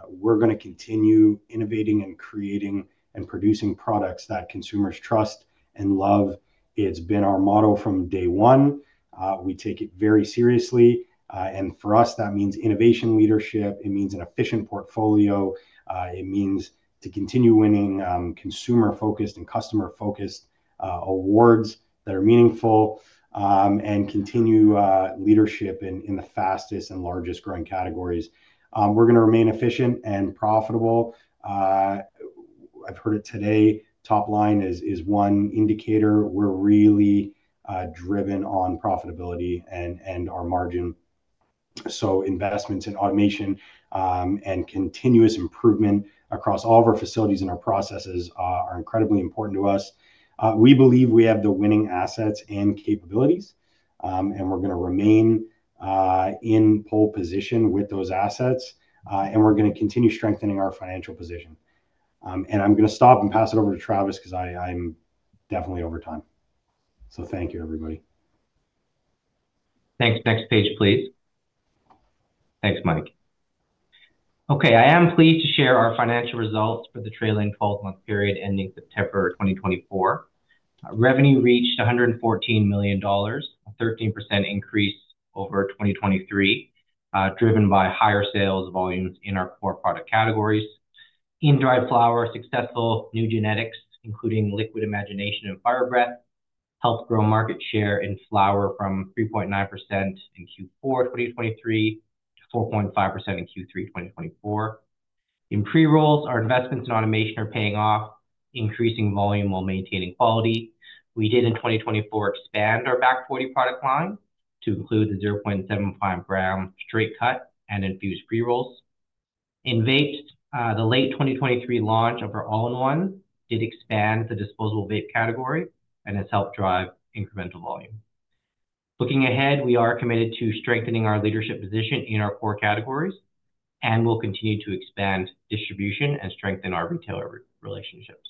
we're going to continue innovating and creating and producing products that consumers trust and love. It's been our motto from day one. We take it very seriously. For us, that means innovation leadership. It means an efficient portfolio. It means to continue winning consumer-focused and customer-focused awards that are meaningful and continue leadership in the fastest and largest growing categories. We're going to remain efficient and profitable. I've heard it today. Top line is one indicator. We're really driven on profitability and our margin. Investments in automation and continuous improvement across all of our facilities and our processes are incredibly important to us. We believe we have the winning assets and capabilities, and we're going to remain in pole position with those assets. We're going to continue strengthening our financial position. I'm going to stop and pass it over to Travis because I'm definitely over time. Thank you, everybody. Thanks. Next page, please. Thanks, Mike. Okay. I am pleased to share our financial results for the trailing 12-month period ending September 2024. Revenue reached 114 million dollars, a 13% increase over 2023, driven by higher sales volumes in our core product categories. In dried flower, successful new genetics, including Liquid Imagination and Fire Breath, helped grow market share in flower from 3.9% in Q4 2023 to 4.5% in Q3 2024. In pre-rolls, our investments in automation are paying off, increasing volume while maintaining quality. We did in 2024 expand our Back Forty product line to include the 0.75 gram straight cut and infused pre-rolls. In vapes, the late 2023 launch of our all-in-one did expand the disposable vape category and has helped drive incremental volume. Looking ahead, we are committed to strengthening our leadership position in our core categories and will continue to expand distribution and strengthen our retailer relationships.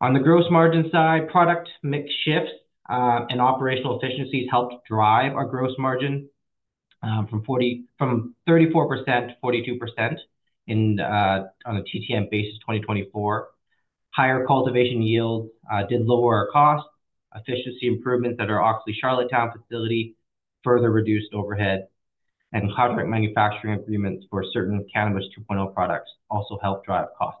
On the gross margin side, product mix shifts and operational efficiencies helped drive our gross margin from 34% to 42% on a TTM basis 2024. Higher cultivation yields did lower our costs. Efficiency improvements at our Auxly Charlottetown facility further reduced overhead. Contract manufacturing agreements for certain cannabis 2.0 products also helped drive cost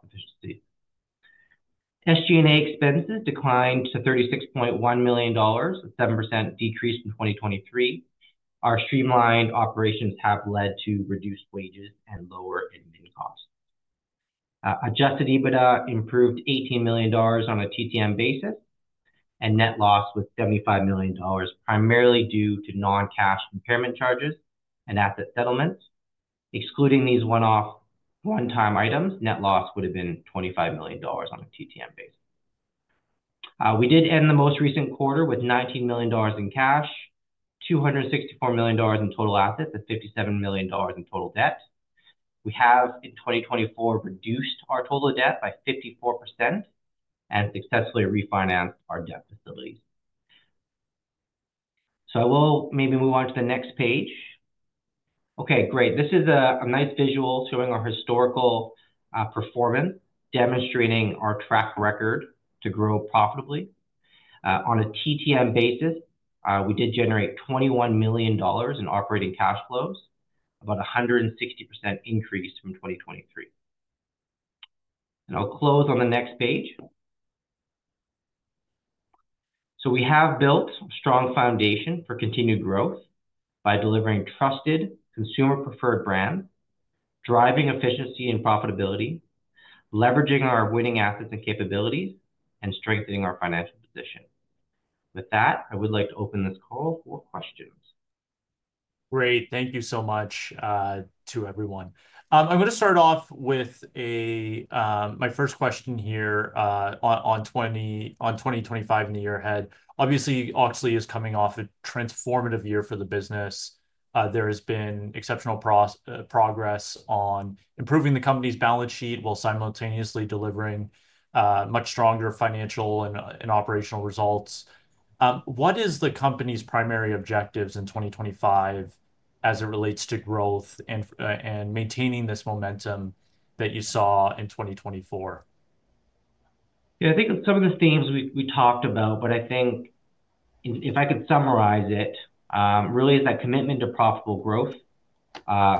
efficiency. SG&A expenses declined to 36.1 million dollars, a 7% decrease from 2023. Our streamlined operations have led to reduced wages and lower admin costs. Adjusted EBITDA improved 18 million dollars on a TTM basis and net loss was 75 million dollars, primarily due to non-cash impairment charges and asset settlements. Excluding these one-off one-time items, net loss would have been 25 million dollars on a TTM basis. We did end the most recent quarter with 19 million dollars in cash, 264 million dollars in total assets, and 57 million dollars in total debt. We have in 2024 reduced our total debt by 54% and successfully refinanced our debt facilities. I will maybe move on to the next page. Okay, great. This is a nice visual showing our historical performance, demonstrating our track record to grow profitably. On a TTM basis, we did generate 21 million dollars in operating cash flows, about a 160% increase from 2023. I'll close on the next page. We have built a strong foundation for continued growth by delivering trusted, consumer-preferred brands, driving efficiency and profitability, leveraging our winning assets and capabilities, and strengthening our financial position. With that, I would like to open this call for questions. Great. Thank you so much to everyone. I'm going to start off with my first question here on 2025 and the year ahead. Obviously, Auxly is coming off a transformative year for the business. There has been exceptional progress on improving the company's balance sheet while simultaneously delivering much stronger financial and operational results. What is the company's primary objectives in 2025 as it relates to growth and maintaining this momentum that you saw in 2024? Yeah, I think some of the themes we talked about, but I think if I could summarize it, really is that commitment to profitable growth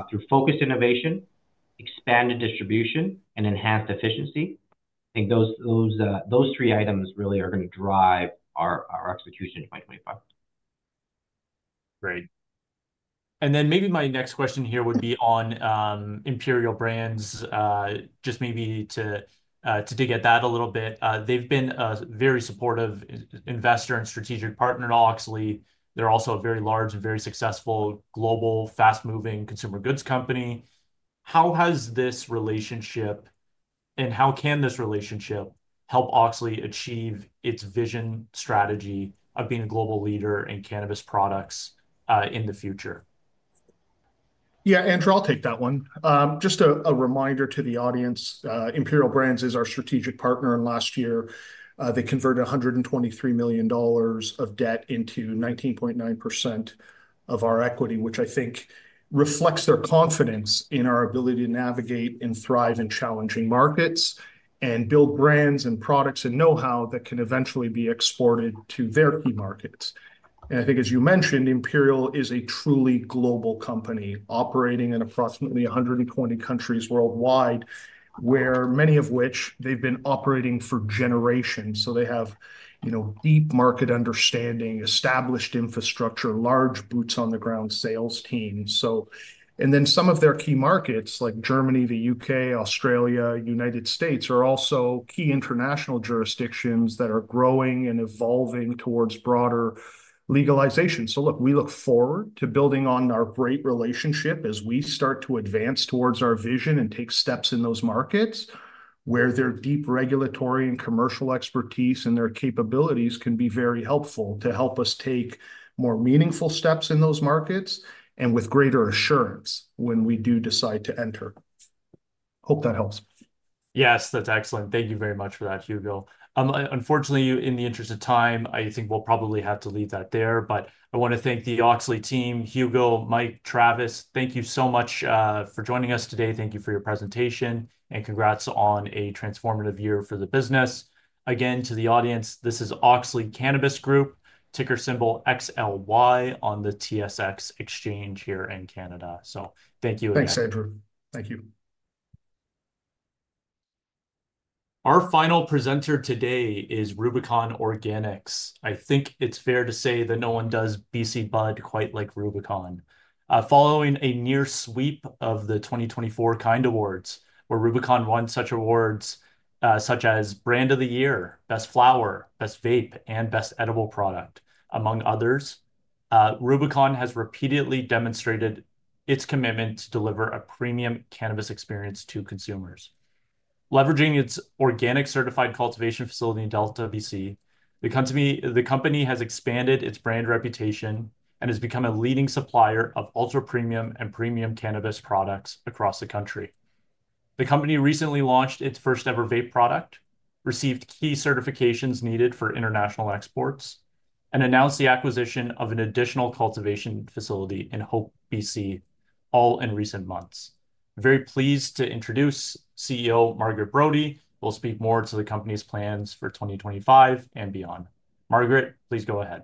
through focused innovation, expanded distribution, and enhanced efficiency. I think those three items really are going to drive our execution in 2025. Great. Maybe my next question here would be on Imperial Brands, just maybe to dig at that a little bit. They've been a very supportive investor and strategic partner to Auxly. They're also a very large and very successful global, fast-moving consumer goods company. How has this relationship and how can this relationship help Auxly achieve its vision strategy of being a global leader in cannabis products in the future? Yeah, Andrew, I'll take that one. Just a reminder to the audience, Imperial Brands is our strategic partner. Last year, they converted 123 million dollars of debt into 19.9% of our equity, which I think reflects their confidence in our ability to navigate and thrive in challenging markets and build brands and products and know-how that can eventually be exported to their key markets. I think, as you mentioned, Imperial is a truly global company operating in approximately 120 countries worldwide, many of which they've been operating for generations. They have deep market understanding, established infrastructure, large boots-on-the-ground sales teams. Then some of their key markets, like Germany, the U.K., Australia, United States, are also key international jurisdictions that are growing and evolving towards broader legalization. Look, we look forward to building on our great relationship as we start to advance towards our vision and take steps in those markets where their deep regulatory and commercial expertise and their capabilities can be very helpful to help us take more meaningful steps in those markets and with greater assurance when we do decide to enter. Hope that helps. Yes, that's excellent. Thank you very much for that, Hugo. Unfortunately, in the interest of time, I think we'll probably have to leave that there. I want to thank the Auxly team, Hugo, Mike, Travis. Thank you so much for joining us today. Thank you for your presentation. Congrats on a transformative year for the business. Again, to the audience, this is Auxly Cannabis Group, ticker symbol XLY on the TSX exchange here in Canada. Thank you again. Thanks, Andrew. Thank you. Our final presenter today is Rubicon Organics. I think it's fair to say that no one does BC Bud quite like Rubicon. Following a near sweep of the 2024 KIND Awards, where Rubicon won such awards such as Brand of the Year, Best Flower, Best Vape, and Best Edible Product, among others, Rubicon has repeatedly demonstrated its commitment to deliver a premium cannabis experience to consumers. Leveraging its organic certified cultivation facility in Delta, B.C., the company has expanded its brand reputation and has become a leading supplier of ultra-premium and premium cannabis products across the country. The company recently launched its first-ever vape product, received key certifications needed for international exports, and announced the acquisition of an additional cultivation facility in Hope, B.C., all in recent months. Very pleased to introduce CEO Margaret Brodie. We'll speak more to the company's plans for 2025 and beyond. Margaret, please go ahead.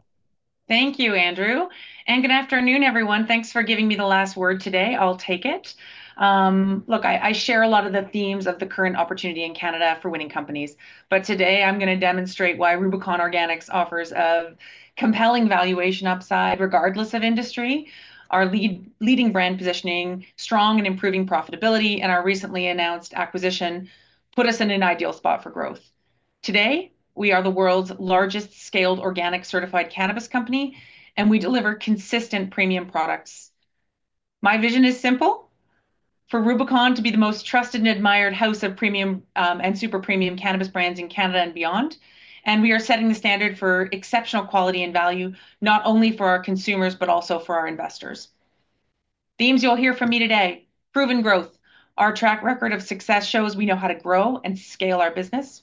Thank you, Andrew. Good afternoon, everyone. Thanks for giving me the last word today. I'll take it. Look, I share a lot of the themes of the current opportunity in Canada for winning companies. Today, I'm going to demonstrate why Rubicon Organics offers a compelling valuation upside regardless of industry. Our leading brand positioning, strong and improving profitability, and our recently announced acquisition put us in an ideal spot for growth. Today, we are the world's largest scaled organic certified cannabis company, and we deliver consistent premium products. My vision is simple: for Rubicon to be the most trusted and admired house of premium and super premium cannabis brands in Canada and beyond. We are setting the standard for exceptional quality and value, not only for our consumers, but also for our investors. Themes you'll hear from me today: proven growth. Our track record of success shows we know how to grow and scale our business.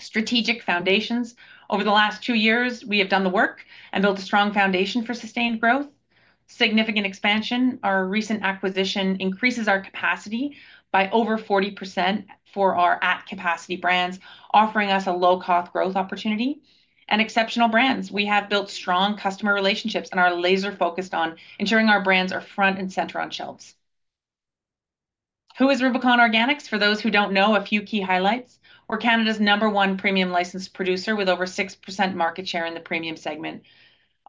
Strategic foundations. Over the last two years, we have done the work and built a strong foundation for sustained growth. Significant expansion. Our recent acquisition increases our capacity by over 40% for our at-capacity brands, offering us a low-cost growth opportunity. Exceptional brands. We have built strong customer relationships and are laser-focused on ensuring our brands are front and center on shelves. Who is Rubicon Organics? For those who don't know, a few key highlights. We're Canada's number one premium licensed producer with over 6% market share in the premium segment.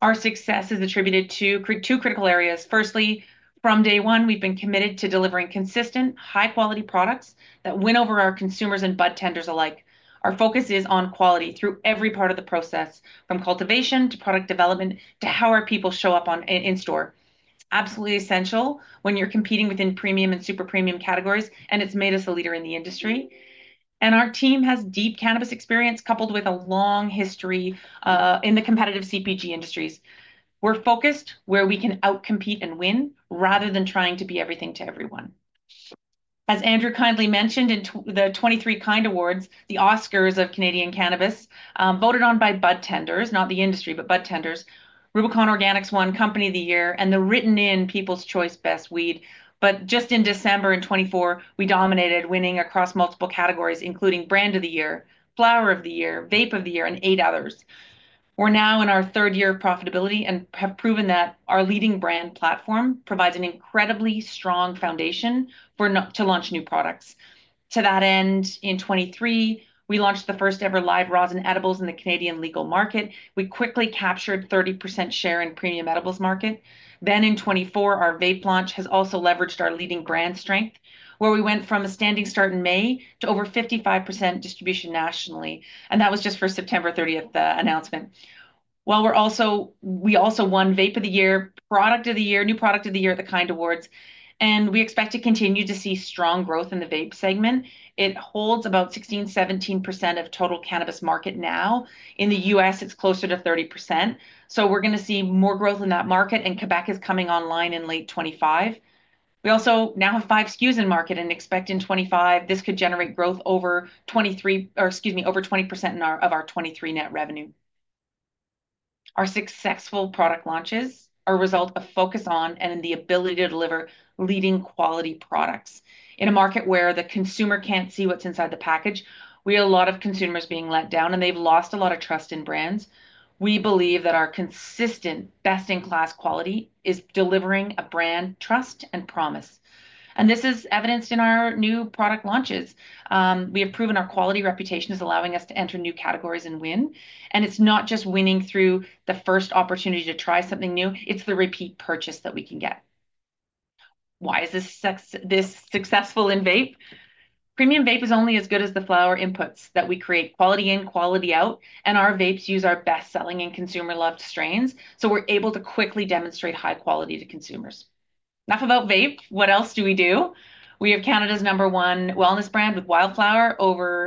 Our success is attributed to two critical areas. Firstly, from day one, we've been committed to delivering consistent, high-quality products that win over our consumers and budtenders alike. Our focus is on quality through every part of the process, from cultivation to product development to how our people show up in store. It's absolutely essential when you're competing within premium and super premium categories, and it's made us a leader in the industry. Our team has deep cannabis experience coupled with a long history in the competitive CPG industries. We're focused where we can outcompete and win rather than trying to be everything to everyone. As Andrew kindly mentioned in the 2023 KIND Awards, the Oscars of Canadian cannabis voted on by budtenders, not the industry, but budtenders. Rubicon Organics won Company of the Year and the written-in People's Choice Best Weed. Just in December in 2024, we dominated, winning across multiple categories, including Brand of the Year, Flower of the Year, Vape of the Year, and eight others. We are now in our third year of profitability and have proven that our leading brand platform provides an incredibly strong foundation to launch new products. To that end, in 2023, we launched the first-ever live rosin edibles in the Canadian legal market. We quickly captured 30% share in the premium edibles market. In 2024, our vape launch has also leveraged our leading brand strength, where we went from a standing start in May to over 55% distribution nationally. That was just for the September 30th announcement. While we also won Vape of the Year, Product of the Year, New Product of the Year at the KIND Awards, we expect to continue to see strong growth in the vape segment. It holds about 16%-17% of total cannabis market now. In the U.S., it's closer to 30%. We are going to see more growth in that market, and Quebec is coming online in late 2025. We also now have five SKUs in market and expect in 2025 this could generate growth over 20% of our 2023 net revenue. Our successful product launches are a result of focus on and in the ability to deliver leading quality products. In a market where the consumer can't see what's inside the package, we have a lot of consumers being let down, and they've lost a lot of trust in brands. We believe that our consistent best-in-class quality is delivering a brand trust and promise. This is evidenced in our new product launches. We have proven our quality reputation is allowing us to enter new categories and win. It is not just winning through the first opportunity to try something new. It is the repeat purchase that we can get. Why is this successful in vape? Premium vape is only as good as the flower inputs that we create quality in, quality out. Our vapes use our best-selling and consumer-loved strains. We are able to quickly demonstrate high quality to consumers. Enough about vape. What else do we do? We have Canada's number one wellness brand with Wildflower,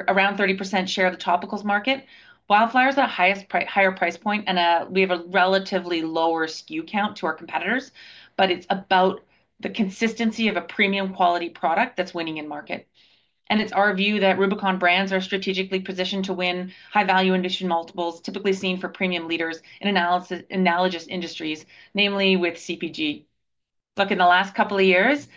around 30% share of the topicals market. Wildflower is at a higher price point, and we have a relatively lower SKU count to our competitors. It is about the consistency of a premium quality product that is winning in market. It is our view that Rubicon brands are strategically positioned to win high-value in addition multiples, typically seen for premium leaders in analogous industries, namely with CPG. Look, in the last couple of years,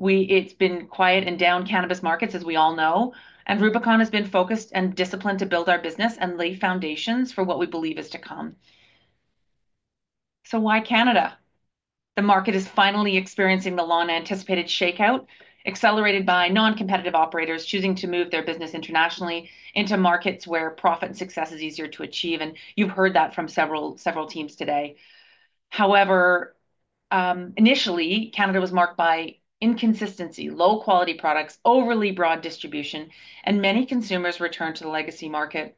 it has been quiet and down cannabis markets, as we all know. Rubicon has been focused and disciplined to build our business and lay foundations for what we believe is to come. Why Canada? The market is finally experiencing the long-anticipated shakeout, accelerated by non-competitive operators choosing to move their business internationally into markets where profit and success is easier to achieve. You have heard that from several teams today. However, initially, Canada was marked by inconsistency, low-quality products, overly broad distribution, and many consumers returned to the legacy market.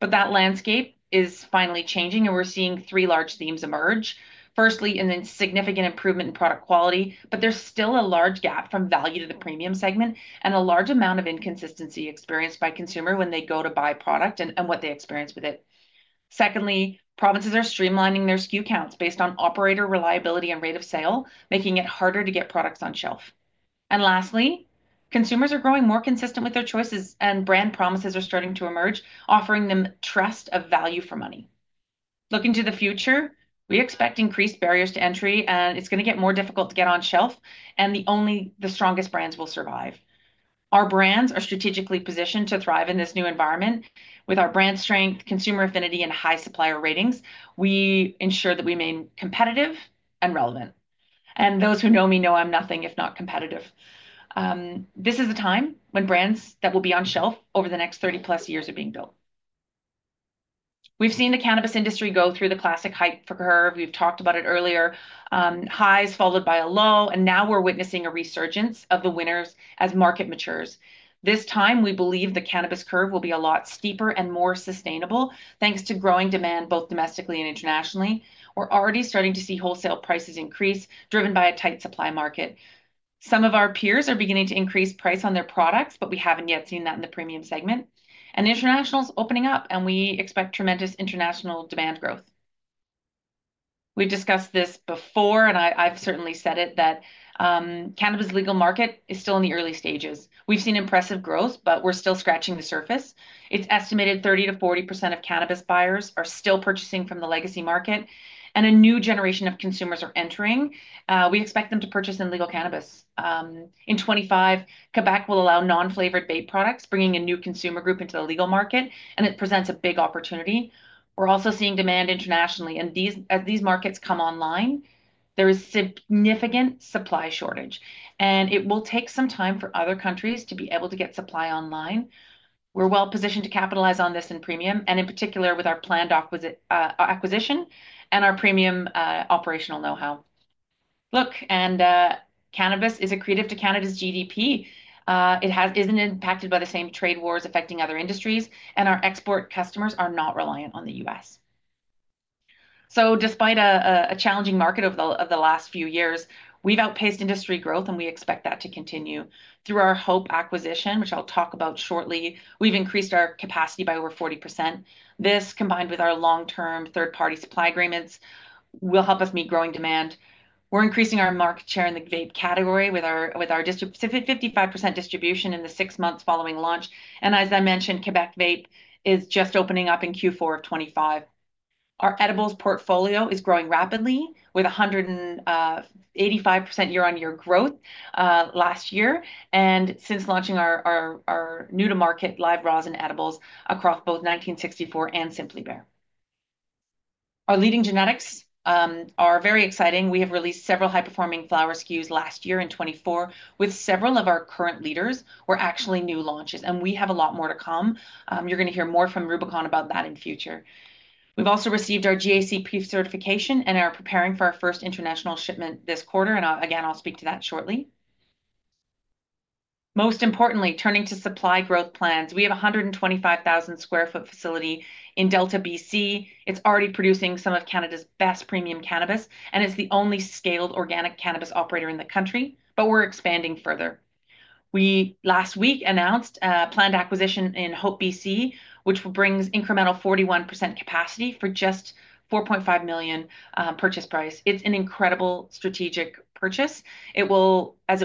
That landscape is finally changing, and we're seeing three large themes emerge. Firstly, in a significant improvement in product quality, but there's still a large gap from value to the premium segment and a large amount of inconsistency experienced by consumers when they go to buy product and what they experience with it. Secondly, provinces are streamlining their SKU counts based on operator reliability and rate of sale, making it harder to get products on shelf. Lastly, consumers are growing more consistent with their choices, and brand promises are starting to emerge, offering them trust of value for money. Looking to the future, we expect increased barriers to entry, and it's going to get more difficult to get on shelf, and the strongest brands will survive. Our brands are strategically positioned to thrive in this new environment. With our brand strength, consumer affinity, and high supplier ratings, we ensure that we remain competitive and relevant. Those who know me know I'm nothing if not competitive. This is a time when brands that will be on shelf over the next 30 plus years are being built. We've seen the cannabis industry go through the classic hype curve. We talked about it earlier. Highs followed by a low, and now we're witnessing a resurgence of the winners as the market matures. This time, we believe the cannabis curve will be a lot steeper and more sustainable thanks to growing demand both domestically and internationally. We're already starting to see wholesale prices increase driven by a tight supply market. Some of our peers are beginning to increase price on their products, but we haven't yet seen that in the premium segment. International is opening up, and we expect tremendous international demand growth. We've discussed this before, and I've certainly said it, that cannabis legal market is still in the early stages. We've seen impressive growth, but we're still scratching the surface. It's estimated 30%-40% of cannabis buyers are still purchasing from the legacy market, and a new generation of consumers are entering. We expect them to purchase legal cannabis. In 2025, Quebec will allow non-flavored vape products, bringing a new consumer group into the legal market, and it presents a big opportunity. We're also seeing demand internationally, and as these markets come online, there is significant supply shortage, and it will take some time for other countries to be able to get supply online. We're well positioned to capitalize on this in premium, and in particular with our planned acquisition and our premium operational know-how. Look, cannabis is accretive to Canada's GDP. It isn't impacted by the same trade wars affecting other industries, and our export customers are not reliant on the U.S. Despite a challenging market over the last few years, we've outpaced industry growth, and we expect that to continue. Through our Hope acquisition, which I'll talk about shortly, we've increased our capacity by over 40%. This, combined with our long-term third-party supply agreements, will help us meet growing demand. We're increasing our market share in the vape category with our 55% distribution in the six months following launch. As I mentioned, Quebec vape is just opening up in Q4 of 2025. Our edibles portfolio is growing rapidly with 185% year-on-year growth last year and since launching our new-to-market live rosin edibles across both 1964 and Simply Bare. Our leading genetics are very exciting. We have released several high-performing flower SKUs last year in 2024. With several of our current leaders, we're actually new launches, and we have a lot more to come. You're going to hear more from Rubicon about that in the future. We have also received our GACP certification and are preparing for our first international shipment this quarter. I will speak to that shortly. Most importantly, turning to supply growth plans, we have a 125,000 sq ft facility in Delta, B.C. It's already producing some of Canada's best premium cannabis and is the only scaled organic cannabis operator in the country, but we're expanding further. Last week we announced a planned acquisition in Hope, B.C, which brings incremental 41% capacity for just 4.5 million purchase price. It's an incredible strategic purchase. As it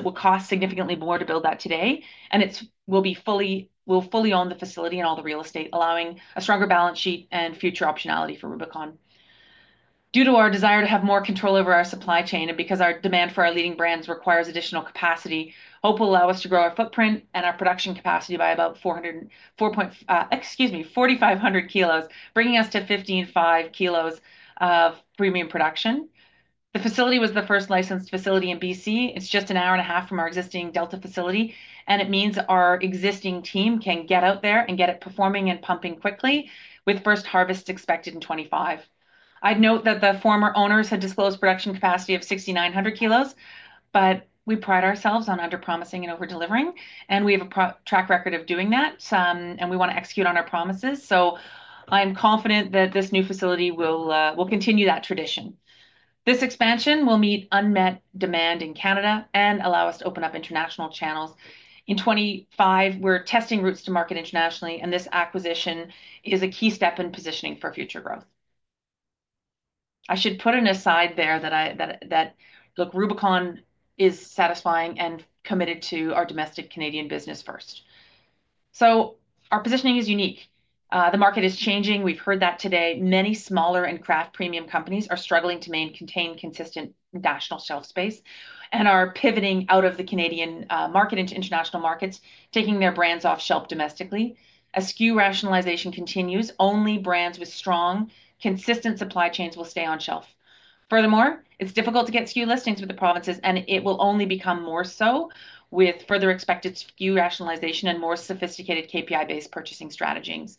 will cost significantly more to build that today, and it will be fully on the facility and all the real estate, allowing a stronger balance sheet and future optionality for Rubicon. Due to our desire to have more control over our supply chain and because our demand for our leading brands requires additional capacity, Hope will allow us to grow our footprint and our production capacity by about 4, excuse me, 4,500 kilos, bringing us to 55,000 kilos of premium production. The facility was the first licensed facility in B.C. It is just an hour and a half from our existing Delta facility, and it means our existing team can get out there and get it performing and pumping quickly, with first harvest expected in 2025. I'd note that the former owners had disclosed production capacity of 6,900 kilos, but we pride ourselves on under-promising and over-delivering, and we have a track record of doing that, and we want to execute on our promises. I'm confident that this new facility will continue that tradition. This expansion will meet unmet demand in Canada and allow us to open up international channels. In 2025, we're testing routes to market internationally, and this acquisition is a key step in positioning for future growth. I should put an aside there that, look, Rubicon is satisfying and committed to our domestic Canadian business first. Our positioning is unique. The market is changing. We've heard that today. Many smaller and craft premium companies are struggling to maintain consistent national shelf space and are pivoting out of the Canadian market into international markets, taking their brands off shelf domestically. As SKU rationalization continues, only brands with strong, consistent supply chains will stay on shelf. Furthermore, it's difficult to get SKU listings with the provinces, and it will only become more so with further expected SKU rationalization and more sophisticated KPI-based purchasing strategies.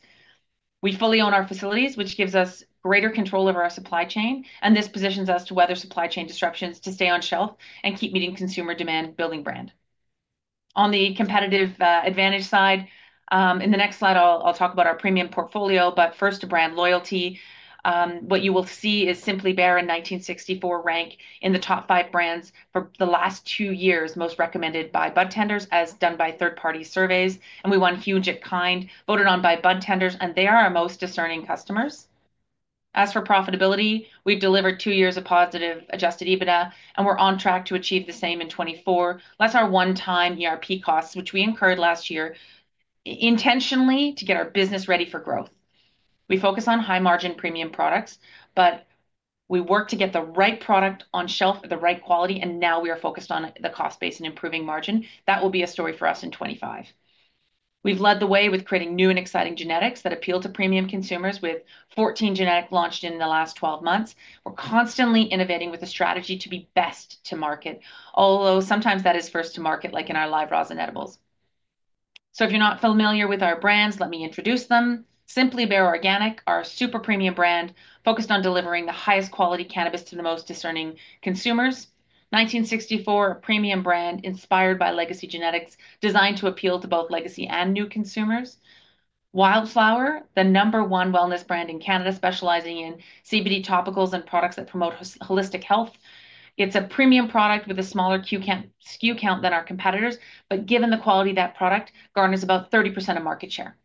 We fully own our facilities, which gives us greater control over our supply chain, and this positions us to weather supply chain disruptions to stay on shelf and keep meeting consumer demand, building brand. On the competitive advantage side, in the next slide, I'll talk about our premium portfolio. First, brand loyalty. What you will see is Simply Bare and 1964 rank in the top five brands for the last two years, most recommended by budtenders as done by third-party surveys. We won huge at KIND, voted on by budtenders, and they are our most discerning customers. As for profitability, we've delivered two years of positive adjusted EBITDA, and we're on track to achieve the same in 2024. That is our one-time ERP costs, which we incurred last year intentionally to get our business ready for growth. We focus on high-margin premium products, but we work to get the right product on shelf at the right quality, and now we are focused on the cost base and improving margin. That will be a story for us in 2025. We've led the way with creating new and exciting genetics that appeal to premium consumers with 14 genetics launched in the last 12 months. We're constantly innovating with a strategy to be best to market, although sometimes that is first to market, like in our live rosin and edibles. If you're not familiar with our brands, let me introduce them. Simply Bare Organic, our super premium brand, focused on delivering the highest quality cannabis to the most discerning consumers. 1964, a premium brand inspired by Legacy Genetics, designed to appeal to both legacy and new consumers. Wildflower, the number one wellness brand in Canada, specializing in CBD topicals and products that promote holistic health. It is a premium product with a smaller SKU count than our competitors, but given the quality of that product, it garners about 30% of market share.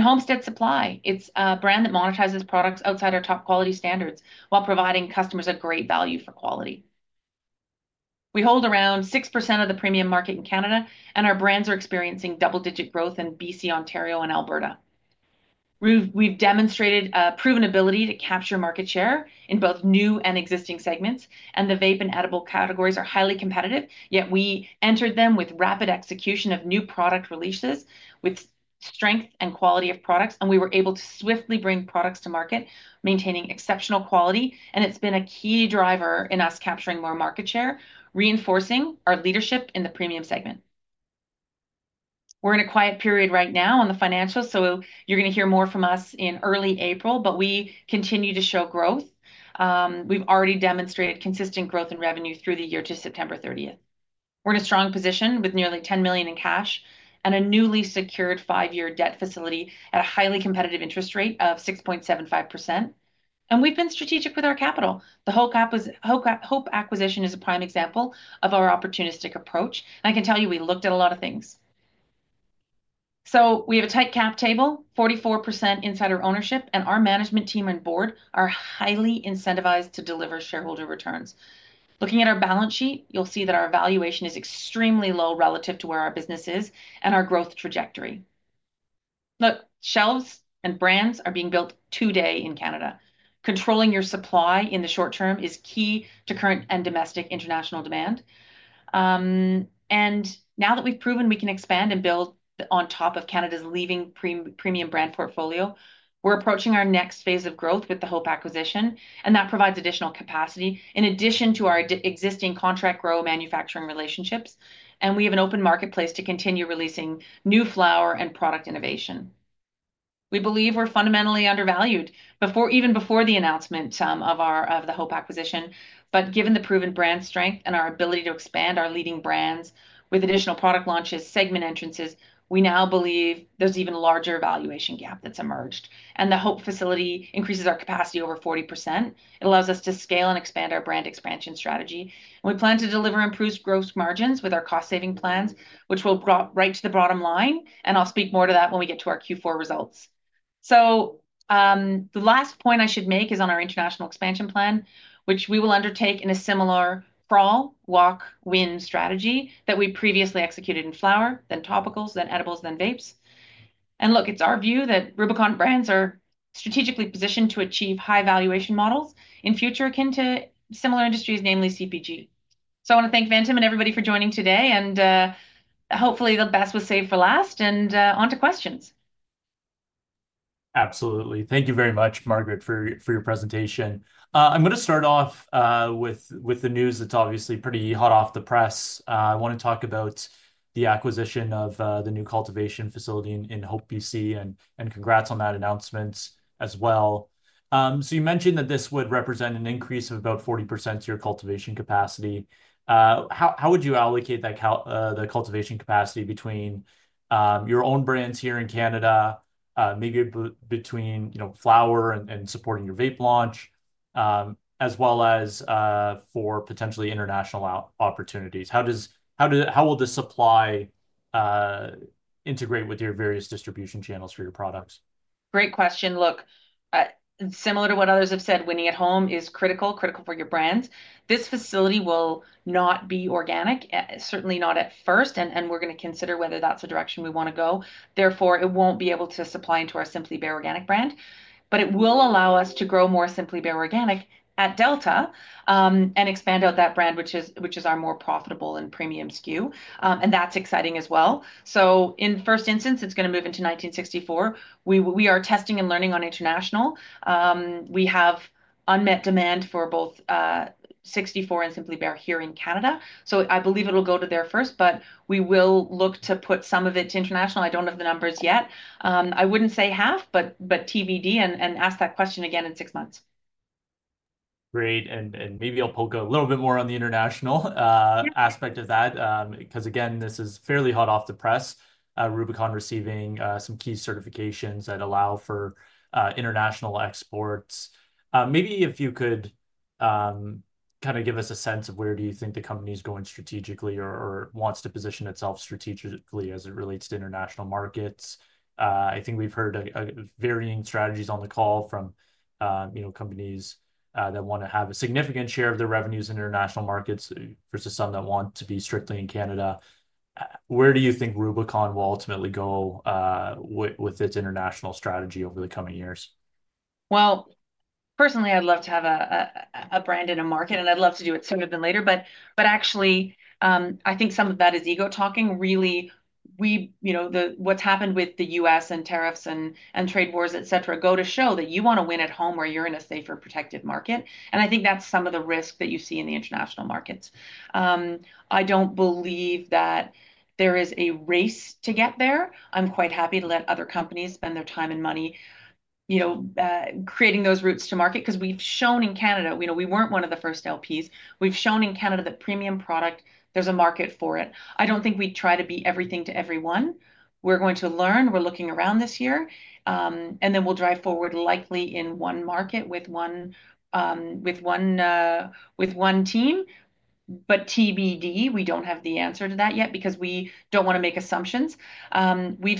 Homestead Supply, it is a brand that monetizes products outside our top quality standards while providing customers a great value for quality. We hold around 6% of the premium market in Canada, and our brands are experiencing double-digit growth in B.C., Ontario, and Alberta. We've demonstrated a proven ability to capture market share in both new and existing segments, and the vape and edible categories are highly competitive, yet we entered them with rapid execution of new product releases with strength and quality of products, and we were able to swiftly bring products to market, maintaining exceptional quality, and it's been a key driver in us capturing more market share, reinforcing our leadership in the premium segment. We're in a quiet period right now on the financials, so you're going to hear more from us in early April, but we continue to show growth. We've already demonstrated consistent growth in revenue through the year to September 30th. We're in a strong position with nearly 10 million in cash and a newly secured five-year debt facility at a highly competitive interest rate of 6.75%. We've been strategic with our capital. The whole Hope acquisition is a prime example of our opportunistic approach, and I can tell you we looked at a lot of things. We have a tight cap table, 44% insider ownership, and our management team and board are highly incentivized to deliver shareholder returns. Looking at our balance sheet, you'll see that our valuation is extremely low relative to where our business is and our growth trajectory. Look, shelves and brands are being built today in Canada. Controlling your supply in the short term is key to current and domestic international demand. Now that we've proven we can expand and build on top of Canada's leading premium brand portfolio, we're approaching our next phase of growth with the Hope acquisition. That provides additional capacity in addition to our existing contract grow manufacturing relationships, and we have an open marketplace to continue releasing new flower and product innovation. We believe we're fundamentally undervalued even before the announcement of the Hope acquisition, but given the proven brand strength and our ability to expand our leading brands with additional product launches and segment entrances, we now believe there's even a larger valuation gap that's emerged. The Hope facility increases our capacity over 40%. It allows us to scale and expand our brand expansion strategy. We plan to deliver improved gross margins with our cost-saving plans, which will go right to the bottom line, and I'll speak more to that when we get to our Q4 results. The last point I should make is on our international expansion plan, which we will undertake in a similar fall, walk, win strategy that we previously executed in flower, then topicals, then edibles, then vapes. Look, it's our view that Rubicon brands are strategically positioned to achieve high valuation models in future akin to similar industries, namely CPG. I want to thank Ventum and everybody for joining today, and hopefully the best was saved for last, and on to questions. Absolutely. Thank you very much, Margaret, for your presentation. I'm going to start off with the news that's obviously pretty hot off the press. I want to talk about the acquisition of the new cultivation facility in Hope, B.C., and congrats on that announcement as well. You mentioned that this would represent an increase of about 40% to your cultivation capacity. How would you allocate the cultivation capacity between your own brands here in Canada, maybe between flower and supporting your vape launch, as well as for potentially international opportunities? How will this supply integrate with your various distribution channels for your products? Great question. Look, similar to what others have said, winning at home is critical, critical for your brands. This facility will not be organic, certainly not at first, and we're going to consider whether that's a direction we want to go. Therefore, it won't be able to supply into our Simply Bare organic brand, but it will allow us to grow more Simply Bare organic at Delta and expand out that brand, which is our more profitable and premium SKU, and that's exciting as well. In first instance, it's going to move into 1964. We are testing and learning on international. We have unmet demand for both 1964 and Simply Bare here in Canada. I believe it'll go to there first, but we will look to put some of it to international. I don't have the numbers yet. I wouldn't say half, but TBD, and ask that question again in six months. Great. Maybe I'll poke a little bit more on the international aspect of that because, again, this is fairly hot off the press, Rubicon receiving some key certifications that allow for international exports. Maybe if you could kind of give us a sense of where do you think the company is going strategically or wants to position itself strategically as it relates to international markets. I think we've heard varying strategies on the call from companies that want to have a significant share of their revenues in international markets versus some that want to be strictly in Canada. Where do you think Rubicon will ultimately go with its international strategy over the coming years? Personally, I'd love to have a brand in a market, and I'd love to do it sooner than later, but actually, I think some of that is ego talking. Really, what's happened with the U.S. and tariffs and trade wars, etc., go to show that you want to win at home where you're in a safe and protected market. I think that's some of the risk that you see in the international markets. I don't believe that there is a race to get there. I'm quite happy to let other companies spend their time and money creating those routes to market because we've shown in Canada, we weren't one of the first LPs. We've shown in Canada that premium product, there's a market for it. I don't think we try to be everything to everyone. We're going to learn. We're looking around this year, and then we'll drive forward likely in one market with one team. TBD, we don't have the answer to that yet because we don't want to make assumptions. We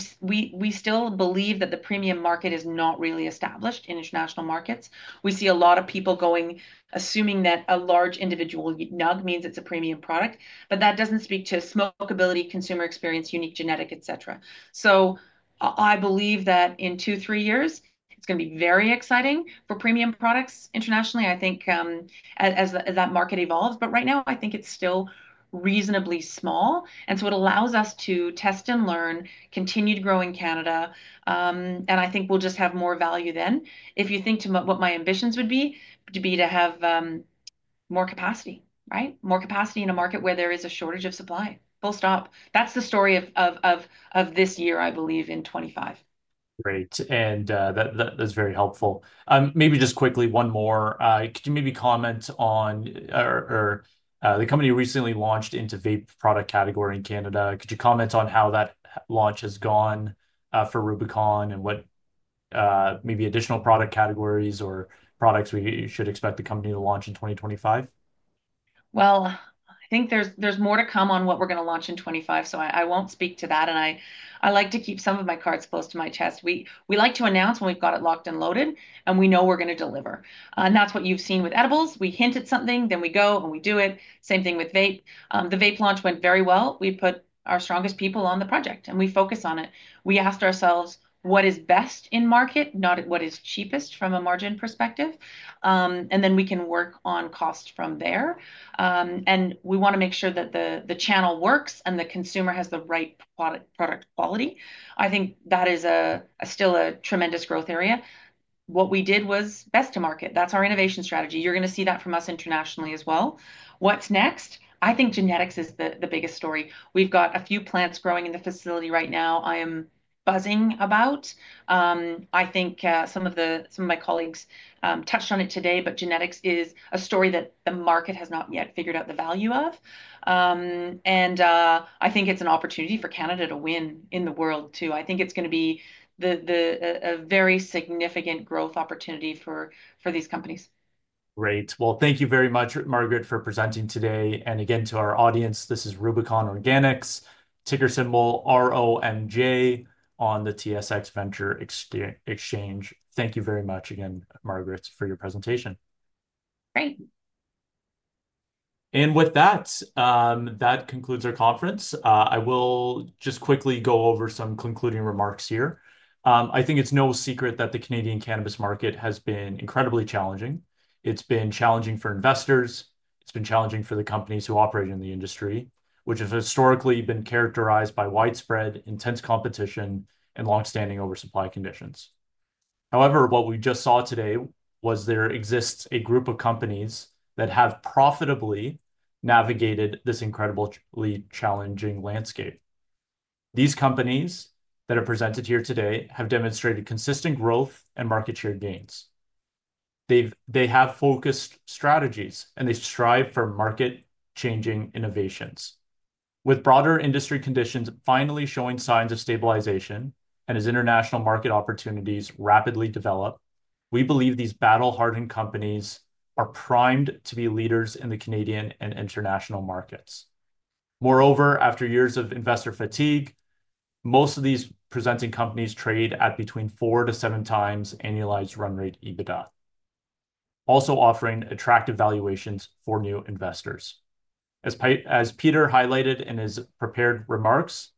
still believe that the premium market is not really established in international markets. We see a lot of people going, assuming that a large individual nug means it's a premium product, but that doesn't speak to smokability, consumer experience, unique genetic, etc. I believe that in two, three years, it's going to be very exciting for premium products internationally, I think, as that market evolves. Right now, I think it's still reasonably small, and it allows us to test and learn, continue to grow in Canada, and I think we'll just have more value then. If you think to what my ambitions would be, it would be to have more capacity, right? More capacity in a market where there is a shortage of supply. Full stop. That's the story of this year, I believe, in 2025. Great. That is very helpful. Maybe just quickly, one more. Could you maybe comment on the company recently launched into vape product category in Canada? Could you comment on how that launch has gone for Rubicon and what maybe additional product categories or products we should expect the company to launch in 2025? I think there's more to come on what we're going to launch in 2025, so I won't speak to that, and I like to keep some of my cards close to my chest. We like to announce when we've got it locked and loaded, and we know we're going to deliver. That's what you've seen with edibles. We hint at something, then we go and we do it. Same thing with vape. The vape launch went very well. We put our strongest people on the project, and we focus on it. We asked ourselves what is best in market, not what is cheapest from a margin perspective, and then we can work on cost from there. We want to make sure that the channel works and the consumer has the right product quality. I think that is still a tremendous growth area. What we did was best to market. That is our innovation strategy. You are going to see that from us internationally as well. What is next? I think genetics is the biggest story. We have got a few plants growing in the facility right now I am buzzing about. I think some of my colleagues touched on it today, but genetics is a story that the market has not yet figured out the value of. I think it is an opportunity for Canada to win in the world too. I think it's going to be a very significant growth opportunity for these companies. Great. Thank you very much, Margaret, for presenting today. Again, to our audience, this is Rubicon Organics, ticker symbol ROMJ, on the TSX Venture Exchange. Thank you very much again, Margaret, for your presentation. Great. With that, that concludes our conference. I will just quickly go over some concluding remarks here. I think it's no secret that the Canadian cannabis market has been incredibly challenging. It's been challenging for investors. It's been challenging for the companies who operate in the industry, which have historically been characterized by widespread, intense competition and long-standing oversupply conditions. However, what we just saw today was there exists a group of companies that have profitably navigated this incredibly challenging landscape. These companies that are presented here today have demonstrated consistent growth and market share gains. They have focused strategies, and they strive for market-changing innovations. With broader industry conditions finally showing signs of stabilization and as international market opportunities rapidly develop, we believe these battle-hardened companies are primed to be leaders in the Canadian and international markets. Moreover, after years of investor fatigue, most of these presenting companies trade at between 4x-7x annualized run rate EBITDA, also offering attractive valuations for new investors. As Peter highlighted in his prepared remarks,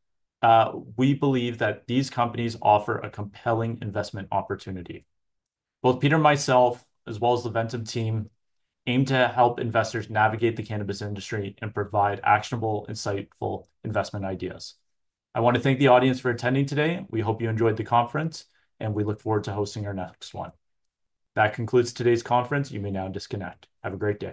we believe that these companies offer a compelling investment opportunity. Both Peter and myself, as well as the Ventum team, aim to help investors navigate the cannabis industry and provide actionable, insightful investment ideas. I want to thank the audience for attending today. We hope you enjoyed the conference, and we look forward to hosting our next one. That concludes today's conference. You may now disconnect. Have a great day.